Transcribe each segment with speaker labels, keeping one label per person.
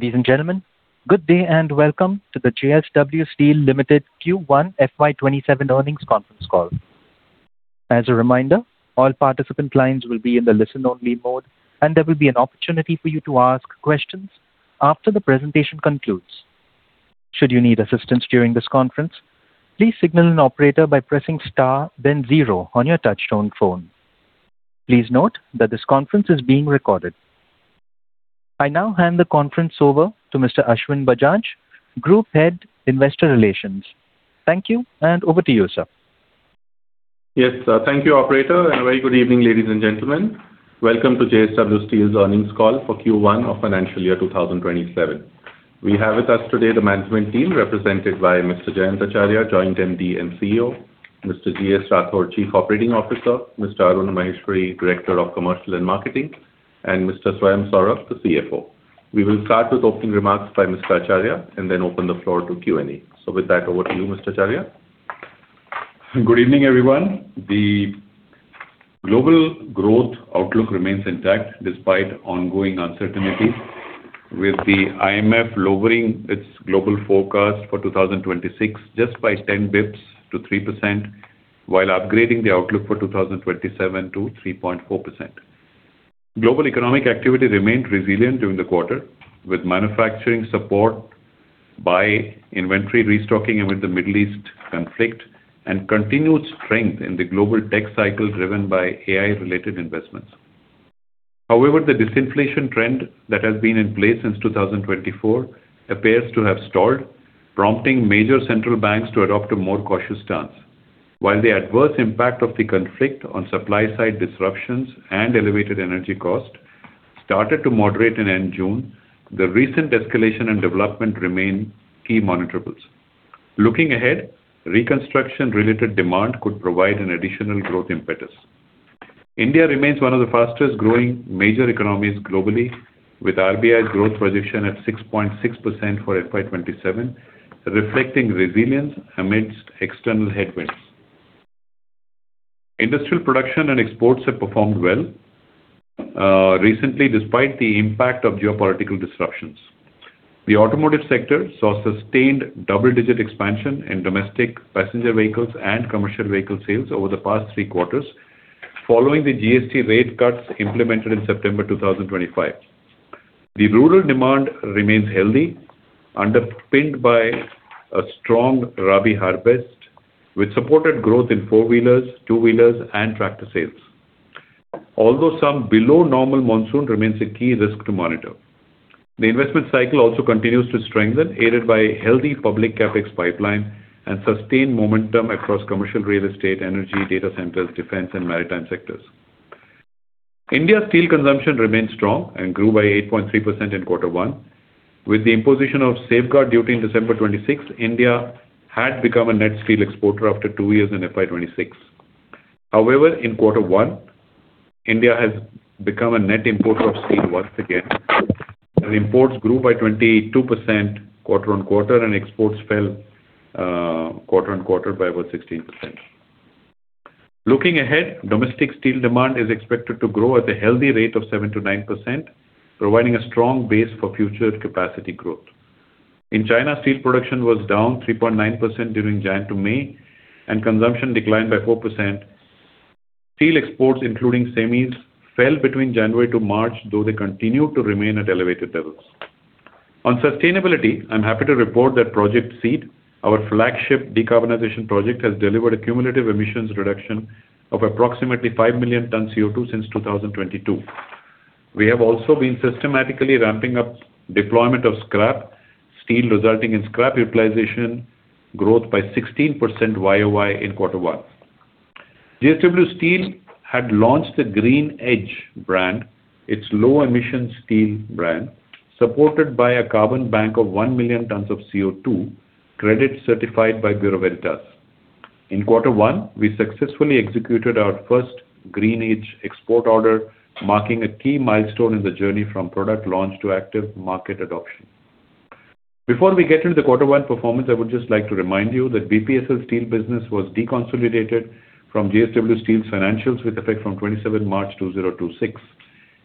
Speaker 1: Ladies and gentlemen, good day and welcome to the JSW Steel Limited Q1 FY 2027 earnings conference call. As a reminder, all participant lines will be in the listen-only mode, and there will be an opportunity for you to ask questions after the presentation concludes. Should you need assistance during this conference, please signal an operator by pressing star then zero on your touchtone phone. Please note that this conference is being recorded. I now hand the conference over to Mr. Ashwin Bajaj, Group Head, Investor Relations. Thank you, and over to you, sir.
Speaker 2: Yes. Thank you, operator. A very good evening, ladies and gentlemen. Welcome to JSW Steel's earnings call for Q1 of financial year 2027. We have with us today the management team represented by Mr. Jayant Acharya, Joint MD and CEO, Mr. G.S. Rathore, Chief Operating Officer, Mr. Arun Maheshwari, Director of Commercial and Marketing, and Mr. Swayam Saurabh, the CFO. We will start with opening remarks by Mr. Acharya and then open the floor to Q&A. With that, over to you, Mr. Acharya.
Speaker 3: Good evening, everyone. The global growth outlook remains intact despite ongoing uncertainty, with the IMF lowering its global forecast for 2026 just by 10 basis points to 3% while upgrading the outlook for 2027 to 3.4%. Global economic activity remained resilient during the quarter, with manufacturing support by inventory restocking amid the Middle East conflict and continued strength in the global tech cycle driven by AI-related investments. The disinflation trend that has been in place since 2024 appears to have stalled, prompting major central banks to adopt a more cautious stance. The adverse impact of the conflict on supply-side disruptions and elevated energy cost started to moderate in end June, the recent escalation and development remain key monitorables. Looking ahead, reconstruction-related demand could provide an additional growth impetus. India remains one of the fastest-growing major economies globally, with RBI growth projection at 6.6% for FY 2027, reflecting resilience amidst external headwinds. Industrial production and exports have performed well recently, despite the impact of geopolitical disruptions. The automotive sector saw sustained double digit expansion in domestic passenger vehicles and commercial vehicle sales over the past three quarters following the GST rate cuts implemented in September 2025. The rural demand remains healthy, underpinned by a strong Rabi harvest, which supported growth in four-wheelers, two-wheelers, and tractor sales. Some below-normal monsoon remains a key risk to monitor. The investment cycle also continues to strengthen, aided by a healthy public CapEx pipeline and sustained momentum across commercial real estate, energy, data centers, defense, and maritime sectors. India's steel consumption remains strong and grew by 8.3% in quarter one. With the imposition of safeguard duty in December 2026, India had become a net steel exporter after two years in FY 2026. However, in quarter one, India has become a net importer of steel once again. Imports grew by 22% quarter-on-quarter and exports fell quarter-on-quarter by about 16%. Looking ahead, domestic steel demand is expected to grow at a healthy rate of 7%-9%, providing a strong base for future capacity growth. In China, steel production was down 3.9% during January to May and consumption declined by 4%. Steel exports, including semis, fell between January to March, though they continued to remain at elevated levels. On sustainability, I'm happy to report that Project SEED, our flagship decarbonization project, has delivered a cumulative emissions reduction of approximately five million tons CO2 since 2022. We have also been systematically ramping up deployment of scrap steel, resulting in scrap utilization growth by 16% YoY in quarter one. JSW Steel had launched the GreenEdge brand, its low-emission steel brand, supported by a carbon bank of 1 million tons of CO2 credits certified by Bureau Veritas. In quarter one, we successfully executed our first GreenEdge export order, marking a key milestone in the journey from product launch to active market adoption. Before we get into the quarter one performance, I would just like to remind you that BPSL steel business was deconsolidated from JSW Steel's financials with effect from 27 March 2026.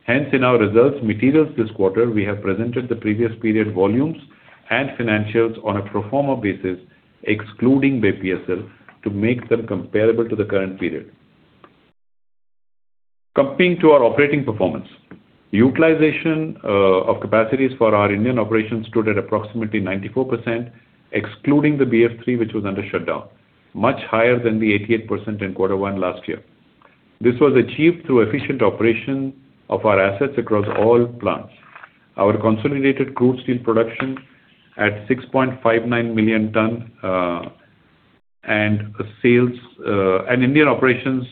Speaker 3: Hence, in our results materials this quarter, we have presented the previous period volumes and financials on a pro forma basis, excluding BPSL, to make them comparable to the current period. Coming to our operating performance. Utilization of capacities for our Indian operations stood at approximately 94%, excluding the BF-3, which was under shutdown, much higher than the 88% in quarter one last year. This was achieved through efficient operation of our assets across all plants. Our consolidated crude steel production at 6.59 million tons and Indian operations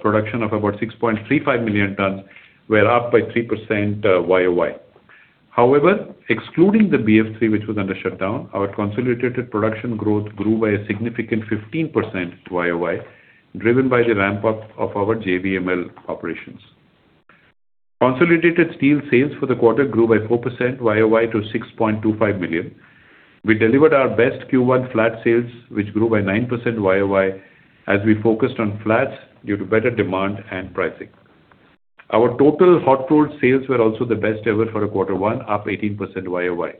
Speaker 3: production of about 6.35 million tons were up by 3% YoY. However, excluding the BF-3, which was under shutdown, our consolidated production growth grew by a significant 15% YoY, driven by the ramp-up of our JVML operations. Consolidated steel sales for the quarter grew by 4% YoY to 6.25 million tons. We delivered our best Q1 flat sales, which grew by 9% YoY as we focused on flats due to better demand and pricing. Our total hot rolled sales were also the best ever for a quarter one, up 18% YoY.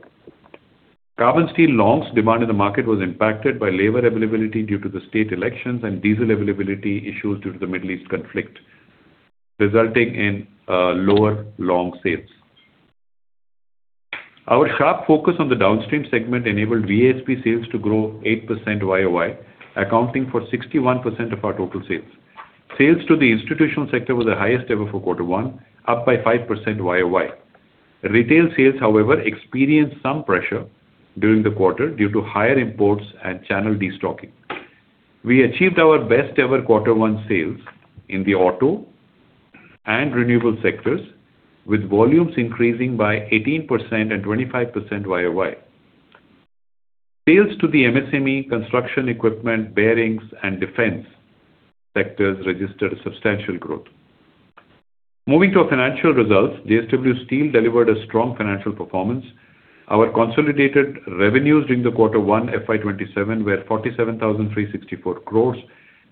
Speaker 3: Carbon steel longs demand in the market was impacted by labor availability due to the state elections and diesel availability issues due to the Middle East conflict, resulting in lower long sales. Our sharp focus on the downstream segment enabled VASP sales to grow 8% YoY, accounting for 61% of our total sales. Sales to the institutional sector were the highest ever for quarter one, up by 5% YoY. Retail sales, however, experienced some pressure during the quarter due to higher imports and channel de-stocking. We achieved our best ever quarter one sales in the auto and renewable sectors, with volumes increasing by 18% and 25% YoY. Sales to the MSME construction equipment, bearings, and defense sectors registered substantial growth. Moving to our financial results. JSW Steel delivered a strong financial performance. Our consolidated revenues during the quarter one FY 2027 were 47,364 crore.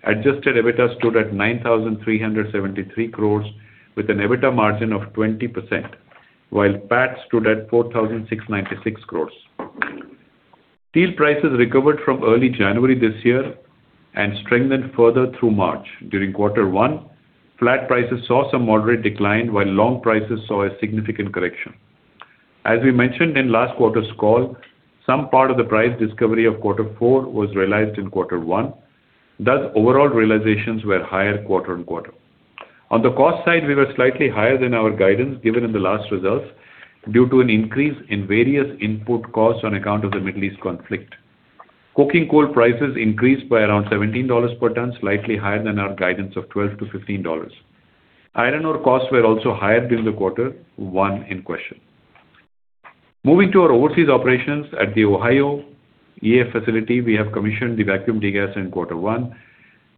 Speaker 3: Adjusted EBITDA stood at 9,373 crore with an EBITDA margin of 20%, while PAT stood at 4,696 crore. Steel prices recovered from early January this year and strengthened further through March. During quarter one, flat prices saw some moderate decline while long prices saw a significant correction. As we mentioned in last quarter's call, some part of the price discovery of quarter four was realized in quarter one. Thus, overall realizations were higher quarter-on-quarter. On the cost side, we were slightly higher than our guidance given in the last results due to an increase in various input costs on account of the Middle East conflict. Coking coal prices increased by around $17 per ton, slightly higher than our guidance of $12-$15. Iron ore costs were also higher during the quarter one in question. Moving to our overseas operations at the Ohio EAF facility, we have commissioned the vacuum degas in quarter one,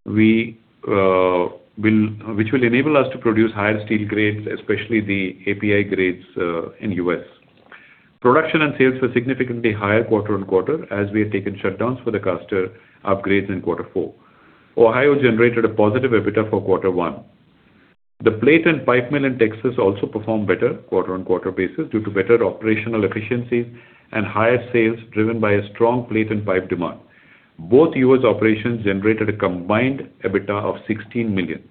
Speaker 3: which will enable us to produce higher steel grades, especially the API grades in U.S. Production and sales were significantly higher quarter-on-quarter as we had taken shutdowns for the caster upgrades in quarter four. Ohio generated a positive EBITDA for quarter one. The plate and pipe mill in Texas also performed better quarter-on-quarter basis due to better operational efficiencies and higher sales driven by a strong plate and pipe demand. Both U.S. operations generated a combined EBITDA of $16 million.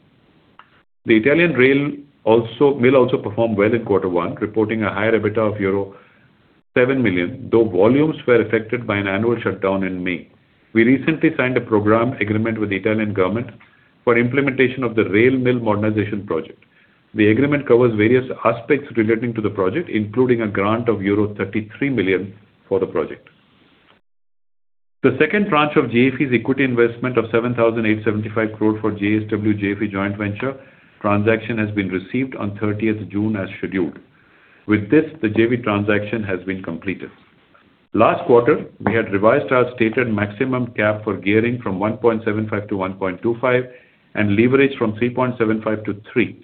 Speaker 3: The Italian mill also performed well in quarter one, reporting a higher EBITDA of euro 7 million, though volumes were affected by an annual shutdown in May. We recently signed a program agreement with the Italian government for implementation of the rail mill modernization project. The agreement covers various aspects relating to the project, including a grant of euro 33 million for the project. The second tranche of JFE's equity investment of 7,875 crore for JSW JFE joint venture transaction has been received on 30th June as scheduled. With this, the JV transaction has been completed. Last quarter, we had revised our stated maximum cap for gearing from 1.75x to 1.25x and leverage from 3.75x to 3x.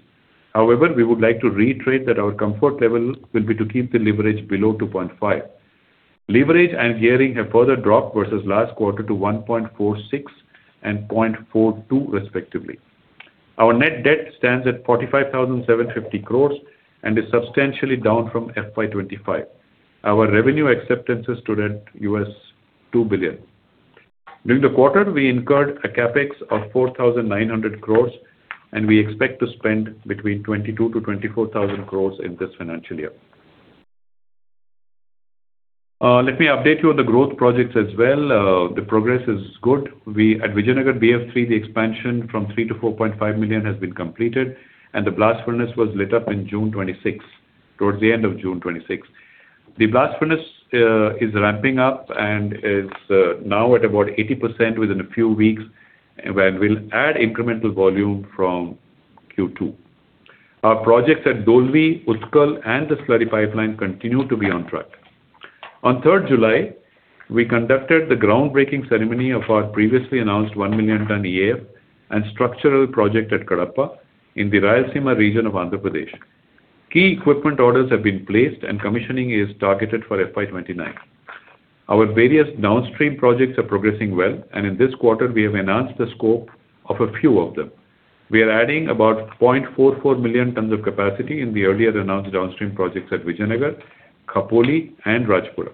Speaker 3: However, we would like to reiterate that our comfort level will be to keep the leverage below 2.5x. Leverage and gearing have further dropped versus last quarter to 1.46x and 0.42x respectively. Our net debt stands at 45,750 crore and is substantially down from FY 2025. Our revenue acceptance is stood at $2 billion. During the quarter, we incurred a CapEx of 4,900 crore, and we expect to spend between 22,000-24,000 crore in this financial year. Let me update you on the growth projects as well. The progress is good. At Vijayanagar BF-3, the expansion from three to 4.5 million tons has been completed, and the blast furnace was lit up on June 26th, towards the end of June 26th. The blast furnace is ramping up and is now at about 80% within a few weeks, when we'll add incremental volume from Q2. Our projects at Dolvi, Utkal, and the slurry pipeline continue to be on track. On 3rd July, we conducted the groundbreaking ceremony of our previously announced one million ton EAF and structural project at Kadapa in the Rayalaseema region of Andhra Pradesh. Key equipment orders have been placed, and commissioning is targeted for FY 2029. Our various downstream projects are progressing well, and in this quarter we have enhanced the scope of a few of them. We are adding about 0.44 million tons of capacity in the earlier announced downstream projects at Vijayanagar, Khopoli, and Rajpura.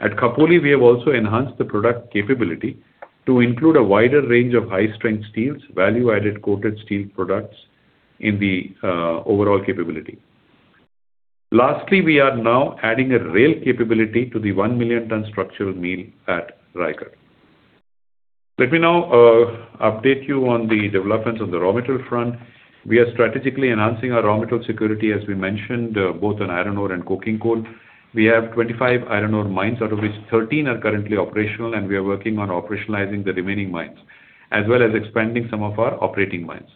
Speaker 3: At Khopoli, we have also enhanced the product capability to include a wider range of high-strength steels, value-added coated steel products in the overall capability. Lastly, we are now adding a rail capability to the 1 million ton structural mill at Raigarh. Let me now update you on the developments on the raw material front. We are strategically enhancing our raw material security, as we mentioned, both on iron ore and coking coal. We have 25 iron ore mines, out of which 13 are currently operational, and we are working on operationalizing the remaining mines, as well as expanding some of our operating mines.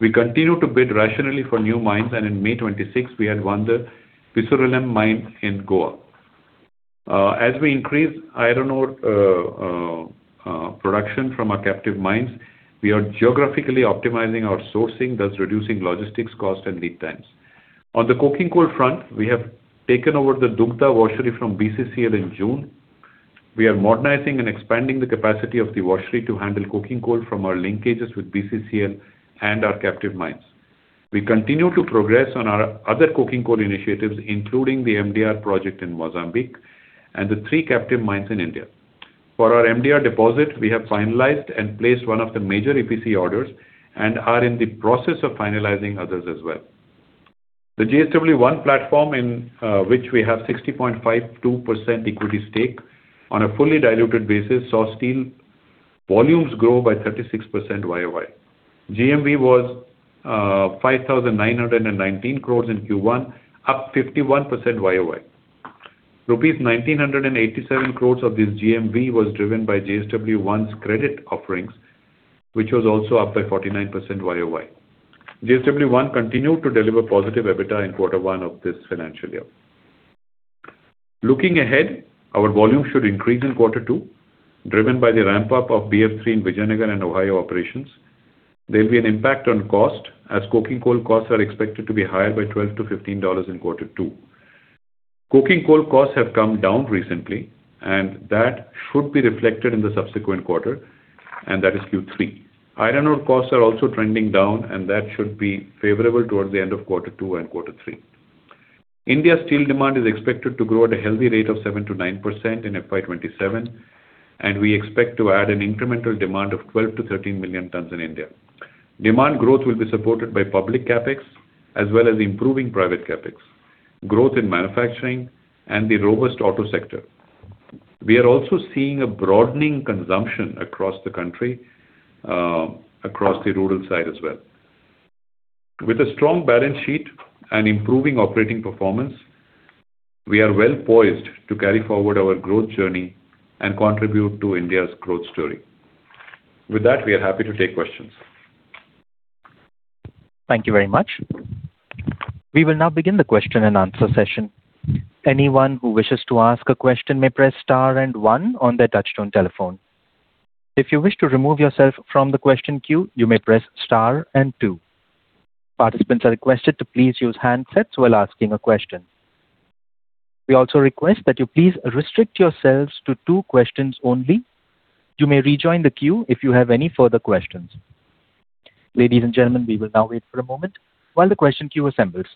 Speaker 3: We continue to bid rationally for new mines, and in May 26th, we had won the Pissurlem mine in Goa. As we increase iron ore production from our captive mines, we are geographically optimizing our sourcing, thus reducing logistics cost and lead times. On the coking coal front, we have taken over the Dugdha Washery from BCCL in June. We are modernizing and expanding the capacity of the washery to handle coking coal from our linkages with BCCL and our captive mines. We continue to progress on our other coking coal initiatives, including the MdR project in Mozambique and the three captive mines in India. For our MdR deposit, we have finalized and placed one of the major EPC orders and are in the process of finalizing others as well. The JSW One Platform, in which we have 60.52% equity stake on a fully diluted basis, saw steel volumes grow by 36% YoY. GMV was 5,919 crore in Q1, up 51% YoY. Rupees 1,987 crore of this GMV was driven by JSW One's credit offerings, which was also up by 49% YoY. JSW One continued to deliver positive EBITDA in quarter one of this financial year. Looking ahead, our volume should increase in quarter two, driven by the ramp-up of BF-3 in Vijayanagar and Ohio operations. There will be an impact on cost as coking coal costs are expected to be higher by $12-$15 in quarter two. Coking coal costs have come down recently, and that should be reflected in the subsequent quarter, and that is Q3. Iron ore costs are also trending down, and that should be favorable towards the end of quarter two and quarter three. India steel demand is expected to grow at a healthy rate of 7%-9% in FY 2027, and we expect to add an incremental demand of 12 million-13 million tons in India. Demand growth will be supported by public CapEx, as well as improving private CapEx, growth in manufacturing, and the robust auto sector. We are also seeing a broadening consumption across the country, across the rural side as well. With a strong balance sheet and improving operating performance, we are well poised to carry forward our growth journey and contribute to India's growth story. With that, we are happy to take questions.
Speaker 1: Thank you very much. We will now begin the question and answer session. Anyone who wishes to ask a question may press star and one on their touchtone telephone. If you wish to remove yourself from the question queue, you may press star and two. Participants are requested to please use handsets while asking a question. We also request that you please restrict yourselves to two questions only. You may rejoin the queue if you have any further questions. Ladies and gentlemen, we will now wait for a moment while the question queue assembles.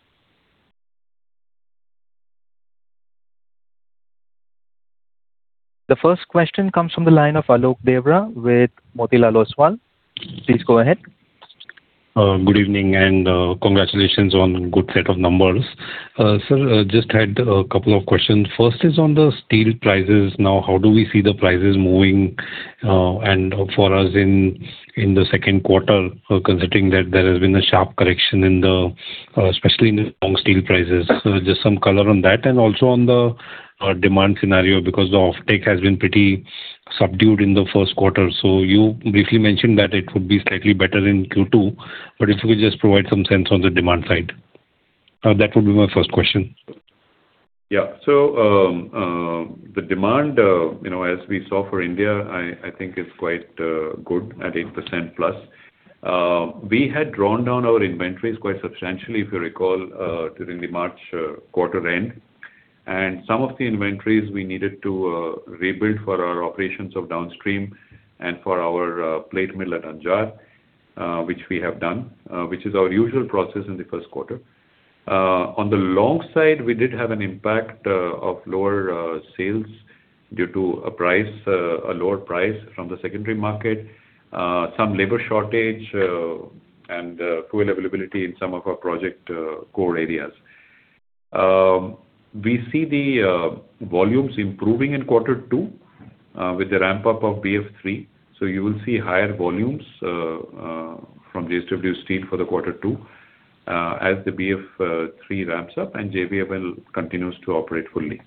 Speaker 1: The first question comes from the line of Alok Deora with Motilal Oswal. Please go ahead.
Speaker 4: Good evening and congratulations on good set of numbers. Sir, had a couple of questions. First is on the steel prices. How do we see the prices moving, and for us in the second quarter, considering that there has been a sharp correction, especially in the long steel prices. Some color on that, and also on the demand scenario, because the offtake has been pretty subdued in the first quarter. You briefly mentioned that it would be slightly better in Q2, but if you could provide some sense on the demand side. That would be my first question.
Speaker 3: The demand, as we saw for India, I think is quite good at +8%. We had drawn down our inventories quite substantially, if you recall, during the March quarter end. Some of the inventories we needed to rebuild for our operations of downstream and for our plate mill at Anjar which we have done, which is our usual process in the first quarter. On the long side, we did have an impact of lower sales due to a lower price from the secondary market, some labor shortage, and coal availability in some of our project core areas. We see the volumes improving in quarter two with the ramp-up of BF-3. You will see higher volumes from JSW Steel for the quarter two as the BF-3 ramps up and JVML continues to operate fully.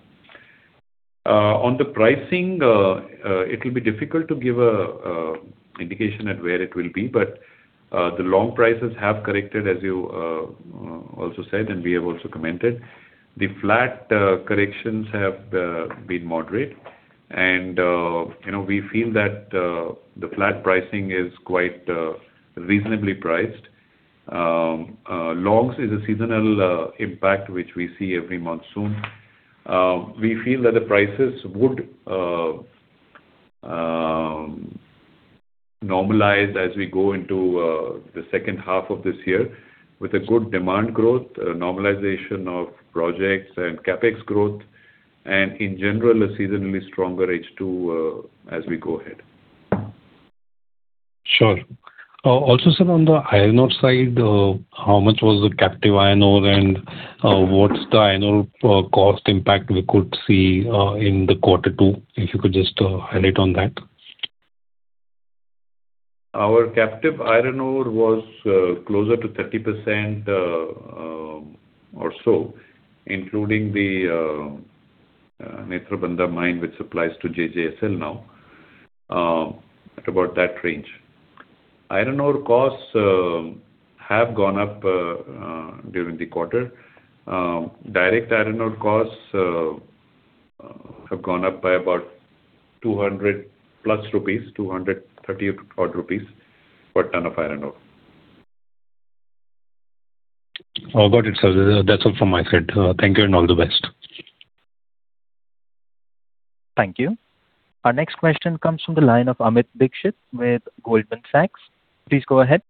Speaker 3: On the pricing, it will be difficult to give an indication at where it will be. The long prices have corrected, as you also said, and we have also commented. The flat corrections have been moderate. We feel that the flat pricing is quite reasonably priced. Longs is a seasonal impact, which we see every monsoon. We feel that the prices would normalize as we go into the second half of this year with a good demand growth, normalization of projects, and CapEx growth, and in general, a seasonally stronger H2 as we go ahead.
Speaker 4: Sure. Also, sir, on the iron ore side, how much was the captive iron ore and what's the iron ore cost impact we could see in the quarter two? If you could just highlight on that.
Speaker 3: Our captive iron ore was closer to 30% or so, including the Netrabanda mine, which supplies to JJSL now. At about that range. Iron ore costs have gone up during the quarter. Direct iron ore costs have gone up by about 200+ rupees, 230-odd rupees per ton of iron ore.
Speaker 4: Oh, got it, sir. That's all from my side. Thank you, and all the best.
Speaker 1: Thank you. Our next question comes from the line of Amit Dixit with Goldman Sachs. Please go ahead.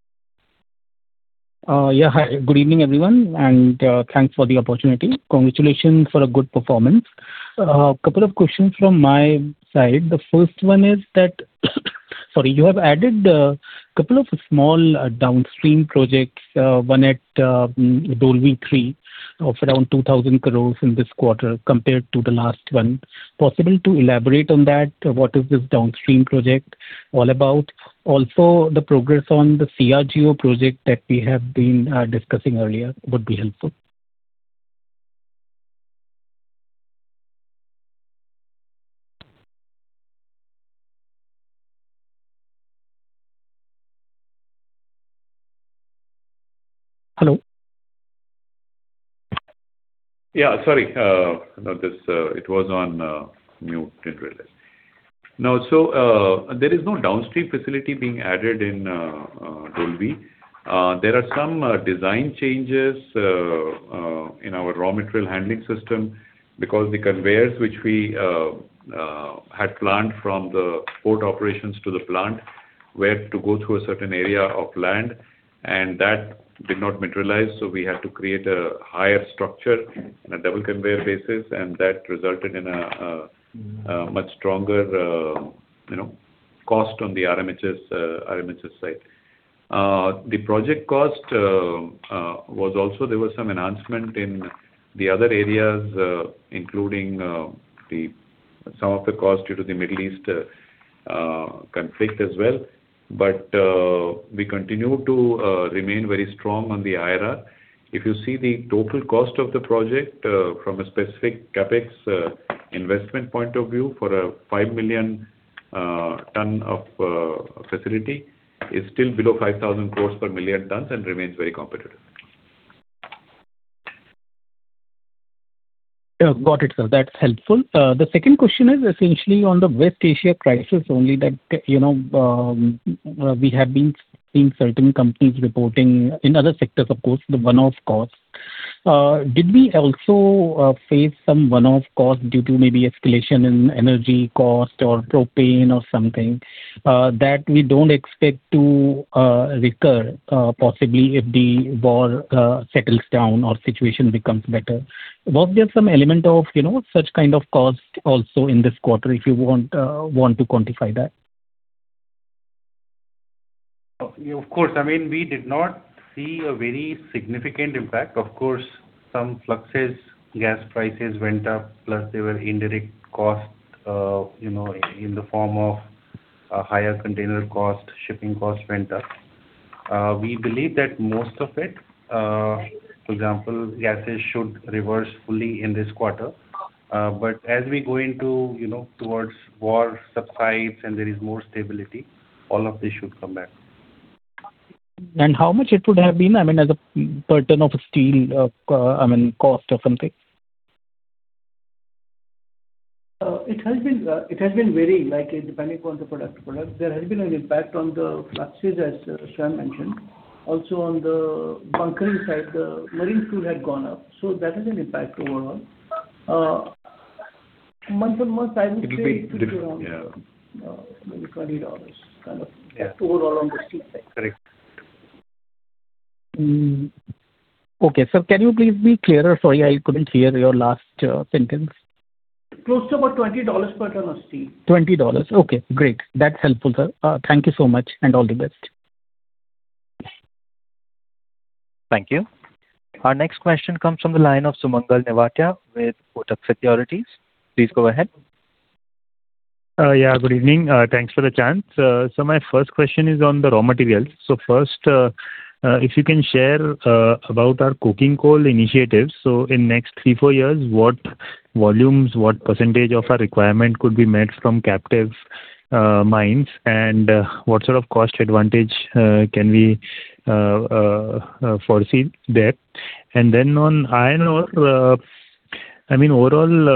Speaker 5: Yeah. Hi, good evening, everyone, and thanks for the opportunity. Congratulations for a good performance. A couple of questions from my side. The first one is that you have added a couple of small downstream projects, one at Dolvi III of around 2,000 crore in this quarter compared to the last one. Possible to elaborate on that? What is this downstream project all about? Also, the progress on the CRGO project that we have been discussing earlier would be helpful. Hello?
Speaker 3: Yeah, sorry. It was on mute, didn't realize. There is no downstream facility being added in Dolvi. There are some design changes in our raw material handling system because the conveyors which we had planned from the port operations to the plant were to go through a certain area of land, and that did not materialize. We had to create a higher structure on a double conveyor basis, and that resulted in a much stronger cost on the RMHS side. The project cost, there was some enhancement in the other areas, including some of the costs due to the Middle East conflict as well. We continue to remain very strong on the IRR. If you see the total cost of the project from a specific CapEx investment point of view, for a five million ton of facility, is still below 5,000 crore per million tons and remains very competitive.
Speaker 5: Yeah, got it, sir. That's helpful. The second question is essentially on the West Asia crisis only that we have been seeing certain companies reporting, in other sectors of course, the one-off costs. Did we also face some one-off cost due to maybe escalation in energy cost or propane or something, that we don't expect to recur possibly if the war settles down or situation becomes better? Was there some element of such kind of cost also in this quarter, if you want to quantify that?
Speaker 6: Of course. We did not see a very significant impact. Of course, some fluxes, gas prices went up, plus there were indirect costs in the form of higher container cost, shipping cost went up. We believe that most of it, for example, gases should reverse fully in this quarter. As we go towards war subsides and there is more stability, all of this should come back.
Speaker 5: How much it would have been as a ton of steel cost or something?
Speaker 7: It has been varying, depending on the product. There has been an impact on the fluxes, as Swayam mentioned. On the bunkering side, the marine fuel had gone up. That has an impact overall. Month-on-month, I would say it will be around maybe $20 kind of overall on the steel side.
Speaker 3: Correct.
Speaker 5: Okay. Sir, can you please be clearer? Sorry, I couldn't hear your last sentence.
Speaker 7: Close to about $20 per ton of steel.
Speaker 5: $20. Okay, great. That is helpful, sir. Thank you so much, and all the best.
Speaker 1: Thank you. Our next question comes from the line of Sumangal Nevatia with Kotak Securities. Please go ahead.
Speaker 8: Yeah, good evening. Thanks for the chance. My first question is on the raw materials. First, if you can share about our coking coal initiatives. In next three, four years, what volumes, what percentage of our requirement could be met from captive mines? And what sort of cost advantage can we foresee there? On iron ore, overall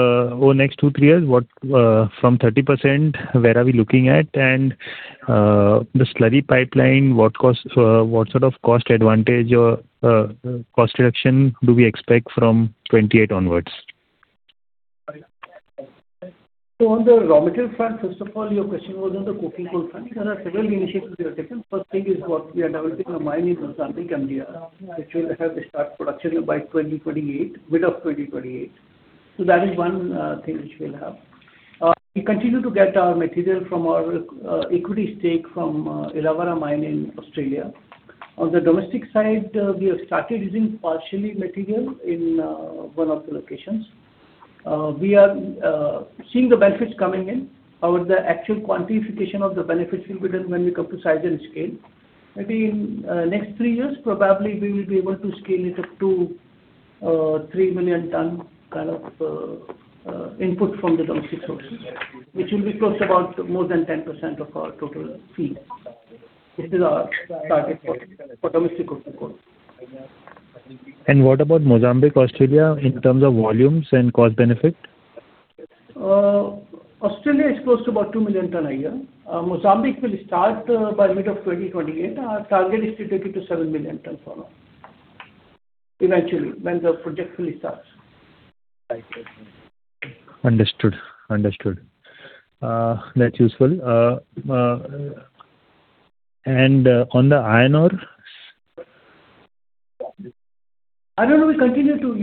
Speaker 8: over next two, three years, from 30%, where are we looking at? The slurry pipeline, what sort of cost advantage or cost reduction do we expect from 2028 onwards?
Speaker 7: On the raw material front, first of all, your question was on the coking coal front. There are several initiatives we have taken. First thing is, we are developing a mine in Mozambique, India, which will have a start production by mid of 2028. That is one thing which we will have. We continue to get our material from our equity stake from Illawarra Mine in Australia. On the domestic side, we have started using partially material in one of the locations. We are seeing the benefits coming in. However, the actual quantification of the benefits will be done when we come to size and scale. Maybe in next three years, probably we will be able to scale it up to three million ton kind of input from the domestic sources, which will be close to about more than 10% of our total feed. This is our target for domestic coking coal.
Speaker 8: What about Mozambique, Australia in terms of volumes and cost benefit?
Speaker 7: Australia is close to about two million ton a year. Mozambique will start by mid of 2028. Our target is to take it to seven million ton per annum. Eventually, when the project fully starts.
Speaker 8: Understood. That's useful. On the iron ore?
Speaker 7: Iron ore, we continue to,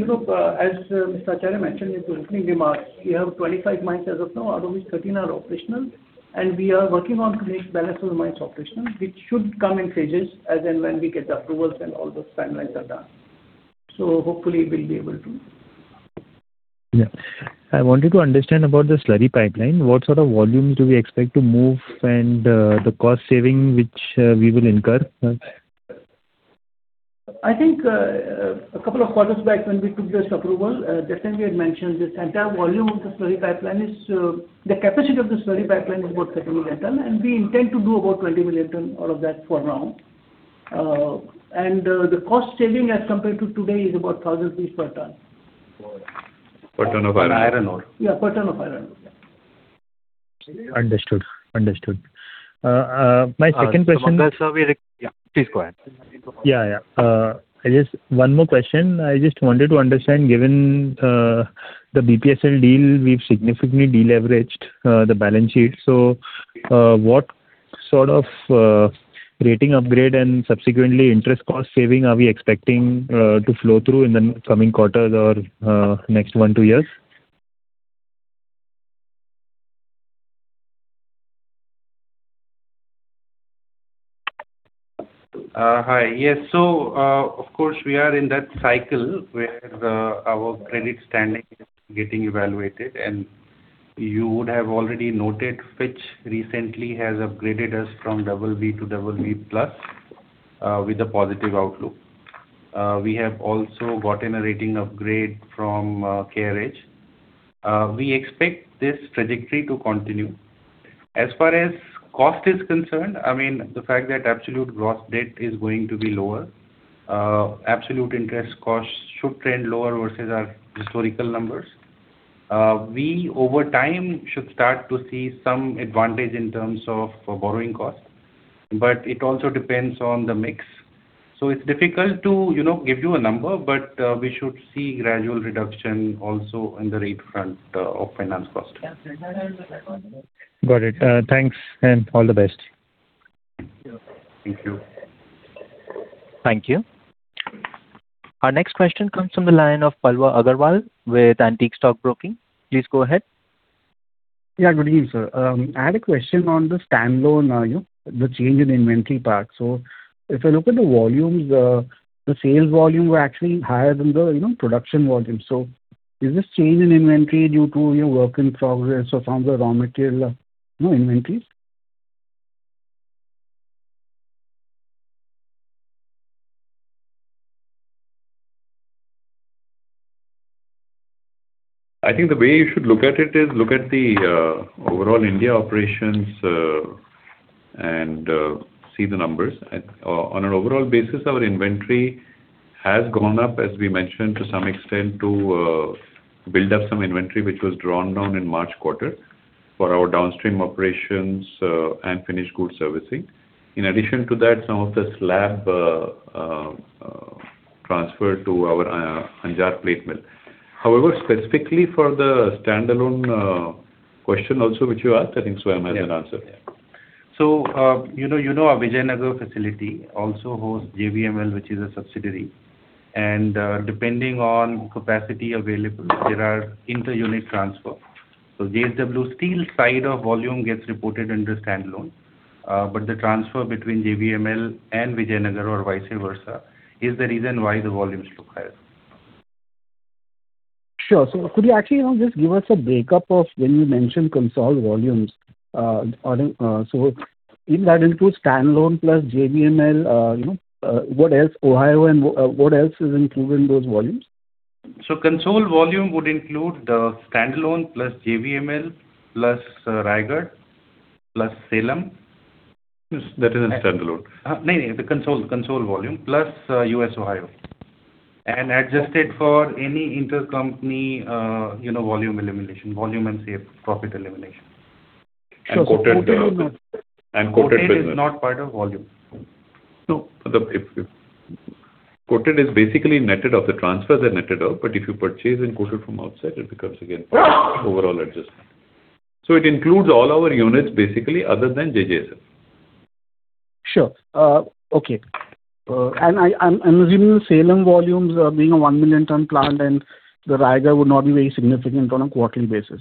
Speaker 7: as Mr. Acharya mentioned in the opening remarks, we have 25 mines as of now, out of which 13 are operational, and we are working on to make the rest of the mines operational, which should come in phases as and when we get the approvals and all those timelines are done. Hopefully we'll be able to.
Speaker 8: Yeah. I wanted to understand about the slurry pipeline. What sort of volumes do we expect to move, and the cost saving which we will incur?
Speaker 7: I think a couple of quarters back when we took this approval, definitely we had mentioned the capacity of the slurry pipeline is about 7 million ton, and we intend to do about 20 million ton out of that for now. The cost saving as compared to today is about 1,000 rupees per ton.
Speaker 3: Per ton of iron ore.
Speaker 7: Yeah, per ton of iron ore.
Speaker 8: Understood. My second question-
Speaker 6: Please go ahead.
Speaker 8: Yeah. One more question. I just wanted to understand, given the BPSL deal, we've significantly deleveraged the balance sheet. What sort of rating upgrade and subsequently interest cost saving are we expecting to flow through in the coming quarters or next one to two years?
Speaker 6: Hi. Yes. Of course, we are in that cycle where our credit standing is getting evaluated, and you would have already noted, Fitch recently has upgraded us from BB to BB+ with a positive outlook. We have also gotten a rating upgrade from CARE. We expect this trajectory to continue. As far as cost is concerned, the fact that absolute gross debt is going to be lower, absolute interest costs should trend lower versus our historical numbers. We, over time, should start to see some advantage in terms of borrowing costs. It also depends on the mix. It's difficult to give you a number, but we should see gradual reduction also on the rate front of finance cost.
Speaker 8: Got it. Thanks. All the best.
Speaker 6: Thank you.
Speaker 1: Thank you. Our next question comes from the line of Pallav Agarwal with Antique Stock Broking. Please go ahead.
Speaker 9: Good evening, sir. I had a question on the standalone, the change in inventory part. If I look at the volumes, the sales volume were actually higher than the production volume. Is this change in inventory due to your work in progress or some of the raw material inventories?
Speaker 3: I think the way you should look at it is look at the overall India operations and see the numbers. On an overall basis, our inventory has gone up, as we mentioned, to some extent to build up some inventory, which was drawn down in March quarter for our downstream operations and finished good servicing. In addition to that, some of the slab transfer to our Anjar plate mill. Specifically for the standalone question also, which you asked, I think Swayam can answer.
Speaker 6: You know our Vijayanagar facility also hosts JVML, which is a subsidiary. Depending on capacity available, there are inter-unit transfer. JSW Steel side of volume gets reported under standalone. The transfer between JVML and Vijayanagar or vice versa is the reason why the volumes look higher.
Speaker 9: Sure. Could you actually just give us a breakup of when you mention consolidated volumes. Does that include standalone plus JVML, Ohio, and what else is included in those volumes?
Speaker 6: Consolidated volume would include the standalone plus JVML, plus Raigarh, plus Salem.
Speaker 3: That is in standalone.
Speaker 6: No. The consolidated volume. Plus U.S., Ohio. Adjusted for any intercompany volume elimination. Volume and sales profit elimination.
Speaker 3: Coated business.
Speaker 9: Coated is not part of volume?
Speaker 3: No. Coated is basically netted off. The transfers are netted off, but if you purchase in coated from outside, it becomes, again, part of overall adjustment. It includes all our units basically, other than JJSL.
Speaker 9: Sure. Okay. I'm assuming the Salem volumes being a one million ton plant and the Raigarh would not be very significant on a quarterly basis.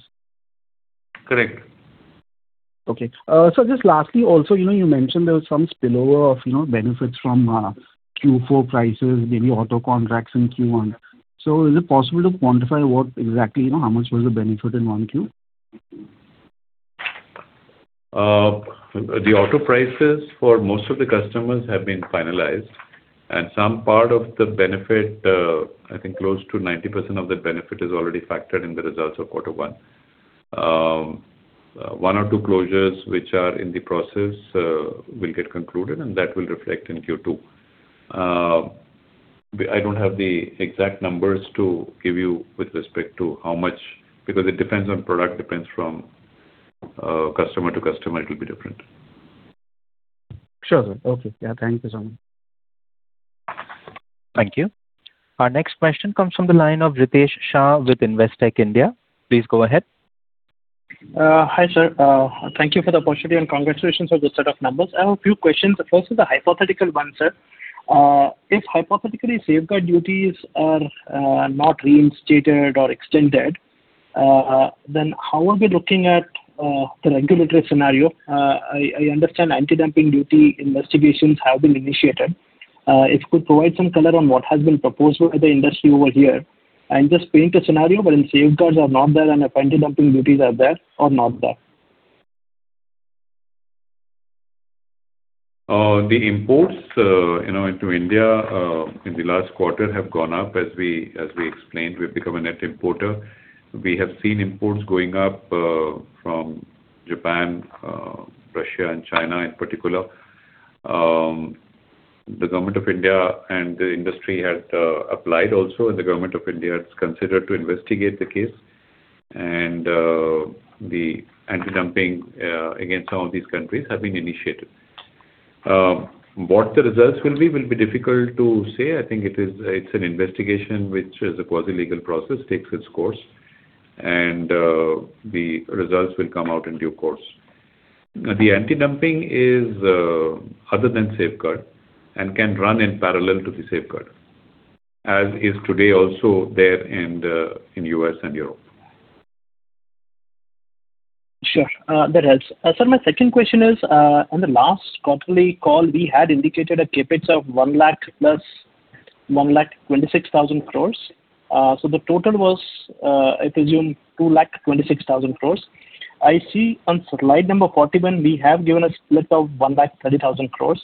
Speaker 6: Correct.
Speaker 9: Okay. Sir, just lastly also, you mentioned there was some spillover of benefits from Q4 prices, maybe auto contracts in Q1. Is it possible to quantify what exactly, how much was the benefit in 1Q?
Speaker 3: The auto prices for most of the customers have been finalized. Some part of the benefit, I think close to 90% of the benefit is already factored in the results of quarter one. One or two closures which are in the process will get concluded, and that will reflect in Q2. I don't have the exact numbers to give you with respect to how much, because it depends on product, depends from customer to customer, it will be different.
Speaker 9: Sure, sir. Okay. Yeah. Thank you so much.
Speaker 1: Thank you. Our next question comes from the line of Ritesh Shah with Investec India. Please go ahead.
Speaker 10: Hi, sir. Thank you for the opportunity, and congratulations on the set of numbers. I have a few questions. The first is a hypothetical one, sir. If hypothetically safeguard duties are not reinstated or extended, then how are we looking at the regulatory scenario? I understand anti-dumping duty investigations have been initiated. If you could provide some color on what has been proposed by the industry over here. I'm just painting a scenario wherein safeguards are not there and anti-dumping duties are there or not there.
Speaker 3: The imports into India in the last quarter have gone up. As we explained, we've become a net importer. We have seen imports going up from Japan, Russia, and China in particular. The government of India and the industry had applied also. The government of India has considered to investigate the case. The anti-dumping against some of these countries have been initiated. What the results will be, will be difficult to say. I think it's an investigation which is a quasi-legal process, takes its course, and the results will come out in due course. The anti-dumping is other than safeguard and can run in parallel to the safeguard, as is today also there in U.S. and Europe.
Speaker 10: Sure. That helps. Sir, my second question is, on the last quarterly call, we had indicated a CapEx of 1 lakh + 1 lakh, 26,000 crore. The total was, I presume, 2 lakhs, 26,000 crore. I see on slide number 41, we have given a split of 1 lakh 30,000 crore.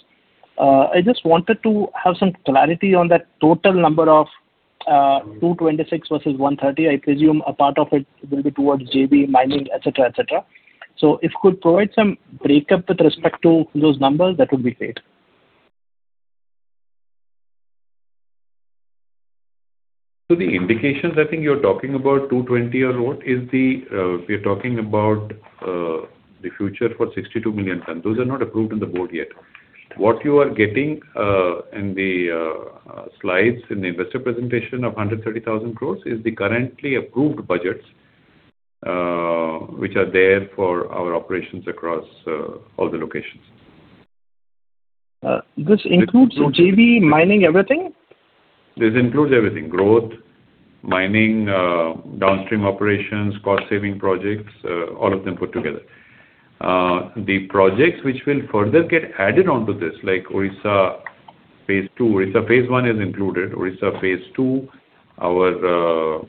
Speaker 10: I just wanted to have some clarity on that total number of 226 versus 130. I presume a part of it will be towards JV mining, et cetera. If you could provide some breakup with respect to those numbers, that would be great?
Speaker 3: The indications, I think you're talking about 220 or what is the, we're talking about the future for 62 million tons. Those are not approved in the board yet. What you are getting in the slides in the investor presentation of 130,000 crore is the currently approved budgets, which are there for our operations across all the locations.
Speaker 10: This includes JV mining, everything?
Speaker 3: This includes everything. Growth, mining, downstream operations, cost-saving projects, all of them put together. The projects which will further get added onto this, like Odisha Phase 2. Odisha Phase 1 is included. Odisha Phase 2, our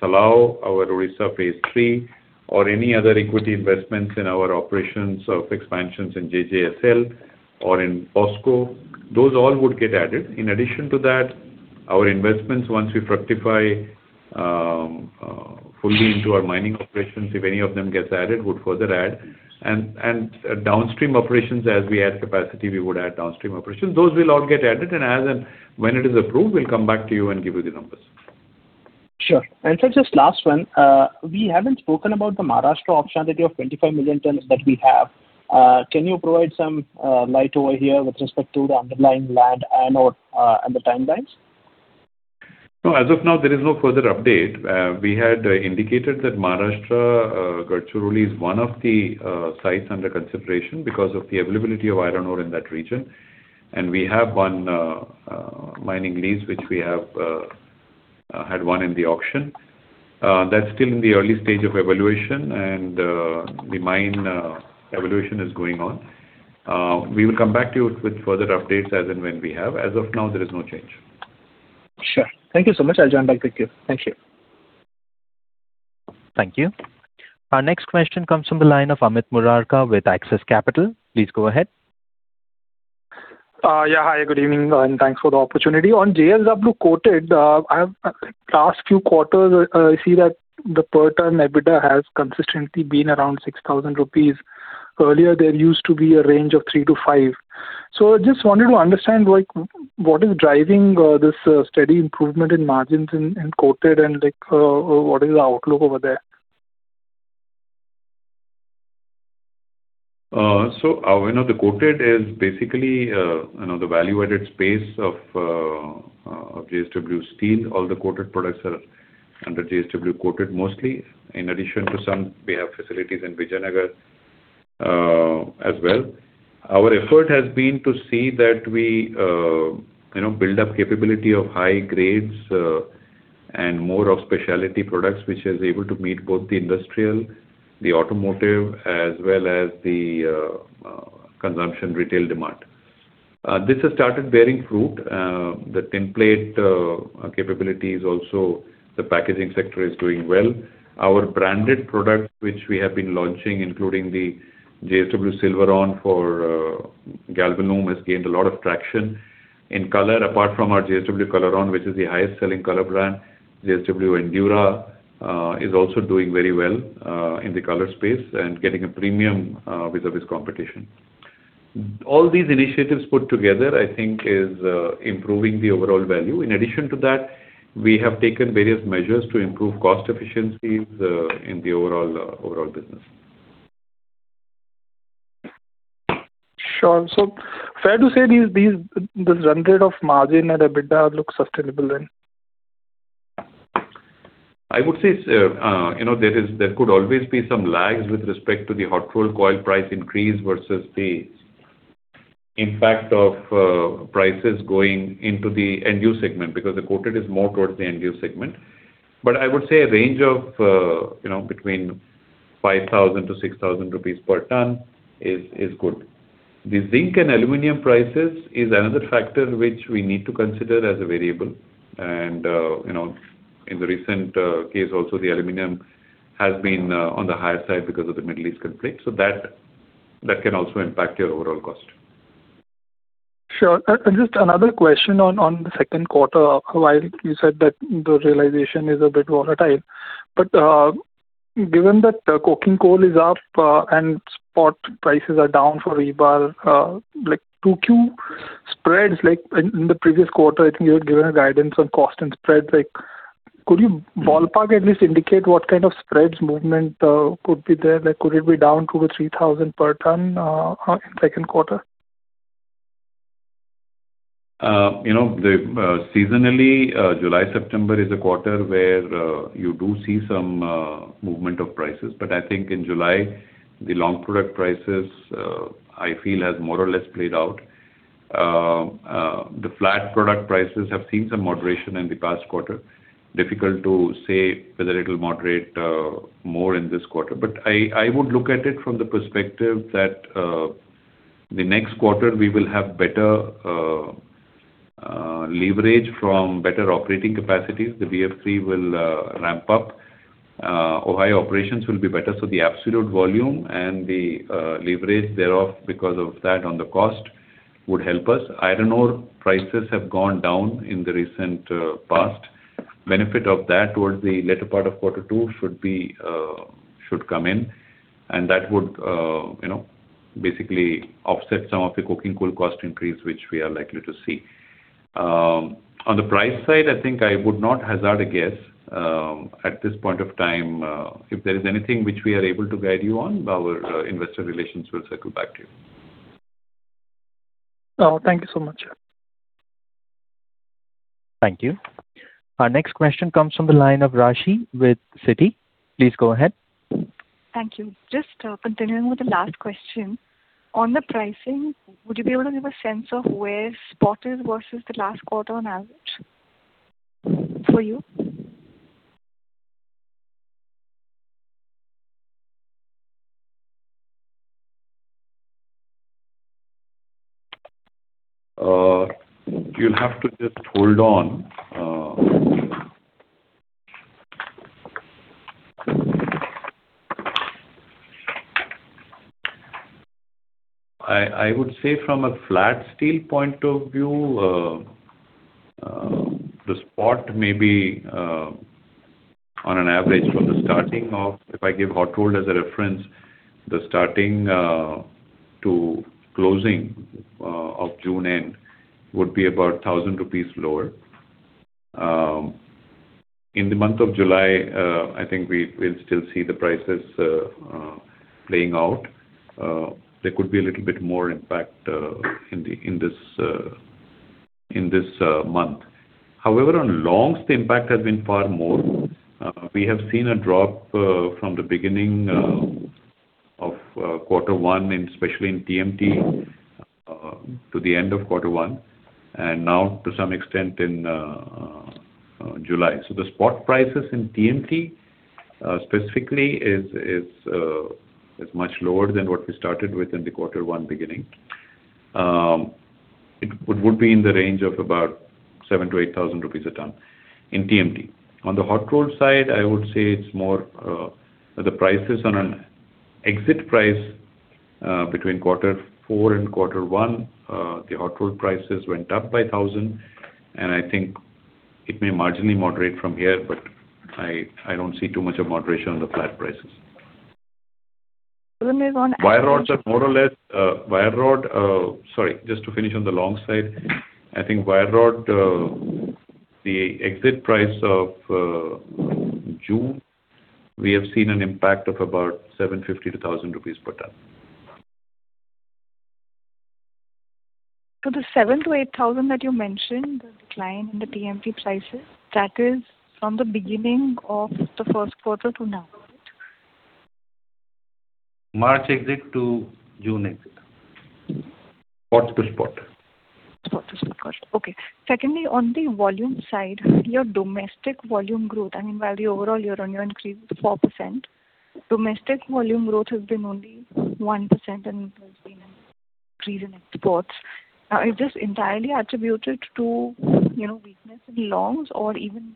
Speaker 3: Salav, our Odisha Phase 3, or any other equity investments in our operations of expansions in JJSL or in POSCO, those all would get added. In addition to that, our investments, once we fructify fully into our mining operations, if any of them gets added, would further add. Downstream operations, as we add capacity, we would add downstream operations. Those will all get added, and as and when it is approved, we'll come back to you and give you the numbers.
Speaker 10: Sure. Sir, just last one. We haven't spoken about the Maharashtra option, that 25 million tons that we have. Can you provide some light over here with respect to the underlying land iron ore and the timelines?
Speaker 3: No, as of now, there is no further update. We had indicated that Maharashtra, Gadchiroli is one of the sites under consideration because of the availability of iron ore in that region. We have one mining lease which we have had won in the auction. That's still in the early stage of evaluation, and the mine evaluation is going on. We will come back to you with further updates as and when we have. As of now, there is no change.
Speaker 10: Sure. Thank you so much. I'll join back with you. Thank you.
Speaker 1: Thank you. Our next question comes from the line of Amit Murarka with Axis Capital. Please go ahead.
Speaker 11: Yeah. Hi, good evening, and thanks for the opportunity. On JSW Coated, last few quarters, I see that the per ton EBITDA has consistently been around 6,000 rupees. Earlier, there used to be a range of 3,000-5,000. I just wanted to understand what is driving this steady improvement in margins in coated and what is the outlook over there?
Speaker 3: The coated is basically the value-added space of JSW Steel. All the coated products are under JSW Coated mostly. In addition to some, we have facilities in Vijayanagar as well. Our effort has been to see that we build up capability of high grades and more of specialty products, which is able to meet both the industrial, the automotive, as well as the consumption retail demand. This has started bearing fruit. The template capability is also the packaging sector is doing well. Our branded products which we have been launching, including the JSW Silveron for Galvalume has gained a lot of traction. In color, apart from our JSW Colouron, which is the highest selling color brand, JSW Endura is also doing very well in the color space and getting a premium vis-à-vis competition. All these initiatives put together, I think, is improving the overall value. In addition to that, we have taken various measures to improve cost efficiencies in the overall business.
Speaker 11: Sure. Fair to say the run rate of margin and EBITDA look sustainable then?
Speaker 3: I would say there could always be some lags with respect to the hot rolled coil price increase versus the impact of prices going into the end-use segment, because the coated is more towards the end-use segment. I would say a range of between 5,000-6,000 rupees per ton is good. The zinc and aluminum prices is another factor which we need to consider as a variable, and in the recent case also, the aluminum has been on the higher side because of the Middle East conflict. That can also impact your overall cost.
Speaker 11: Sure. Just another question on the second quarter. While you said that the realization is a bit volatile, but given that coking coal is up and spot prices are down for rebar, like 2Q spreads, like in the previous quarter, I think you had given a guidance on cost and spreads. Could you ballpark at least indicate what kind of spreads movement could be there? Could it be down INR 2,000 or 3,000 per ton in second quarter?
Speaker 3: Seasonally, July-September is a quarter where you do see some movement of prices. I think in July, the long product prices, I feel, has more or less played out. The flat product prices have seen some moderation in the past quarter. Difficult to say whether it will moderate more in this quarter. I would look at it from the perspective that the next quarter we will have better leverage from better operating capacities. The BF-3 will ramp up. Ohio operations will be better, the absolute volume and the leverage thereof because of that on the cost would help us. Iron ore prices have gone down in the recent past. Benefit of that towards the latter part of quarter two should come in, and that would basically offset some of the coking coal cost increase, which we are likely to see. On the price side, I think I would not hazard a guess at this point of time. If there is anything which we are able to guide you on, our investor relations will circle back to you.
Speaker 11: Thank you so much.
Speaker 1: Thank you. Our next question comes from the line of [Rashi] with Citi. Please go ahead.
Speaker 12: Thank you. Just continuing with the last question. On the pricing, would you be able to give a sense of where spot is versus the last quarter on average for you?
Speaker 3: You'll have to just hold on. I would say from a flat steel point of view, the spot may be on an average from the starting of, if I give hot rolled as a reference, the starting to closing of June end would be about 1,000 rupees lower. In the month of July, I think we'll still see the prices playing out. There could be a little bit more impact in this month. However, on longs, the impact has been far more. We have seen a drop from the beginning of quarter one, especially in TMT, to the end of quarter one, and now to some extent in July. The spot prices in TMT specifically is much lower than what we started with in the quarter one beginning. It would be in the range of about 7,000-8,000 rupees a ton in TMT. On the hot rolled side, I would say the prices on an exit price between quarter four and quarter one the hot rolled prices went up by 1,000, and I think it may marginally moderate from here, but I don't see too much of moderation on the flat prices.
Speaker 12: There's on-
Speaker 3: Wire rods are more or less. Sorry, just to finish on the long side. I think wire rod, the exit price of June, we have seen an impact of about 750-1,000 rupees per ton.
Speaker 12: The 7,000-8,000 that you mentioned, the decline in the TMT prices, that is from the beginning of the first quarter to now?
Speaker 3: March exit to June exit. Spot to spot.
Speaker 12: Spot to spot. Got you. Okay. Secondly, on the volume side, your domestic volume growth, I mean, value overall year-over-year increase is 4%. Domestic volume growth has been only 1% and has been an increase in exports. Is this entirely attributed to weakness in longs or even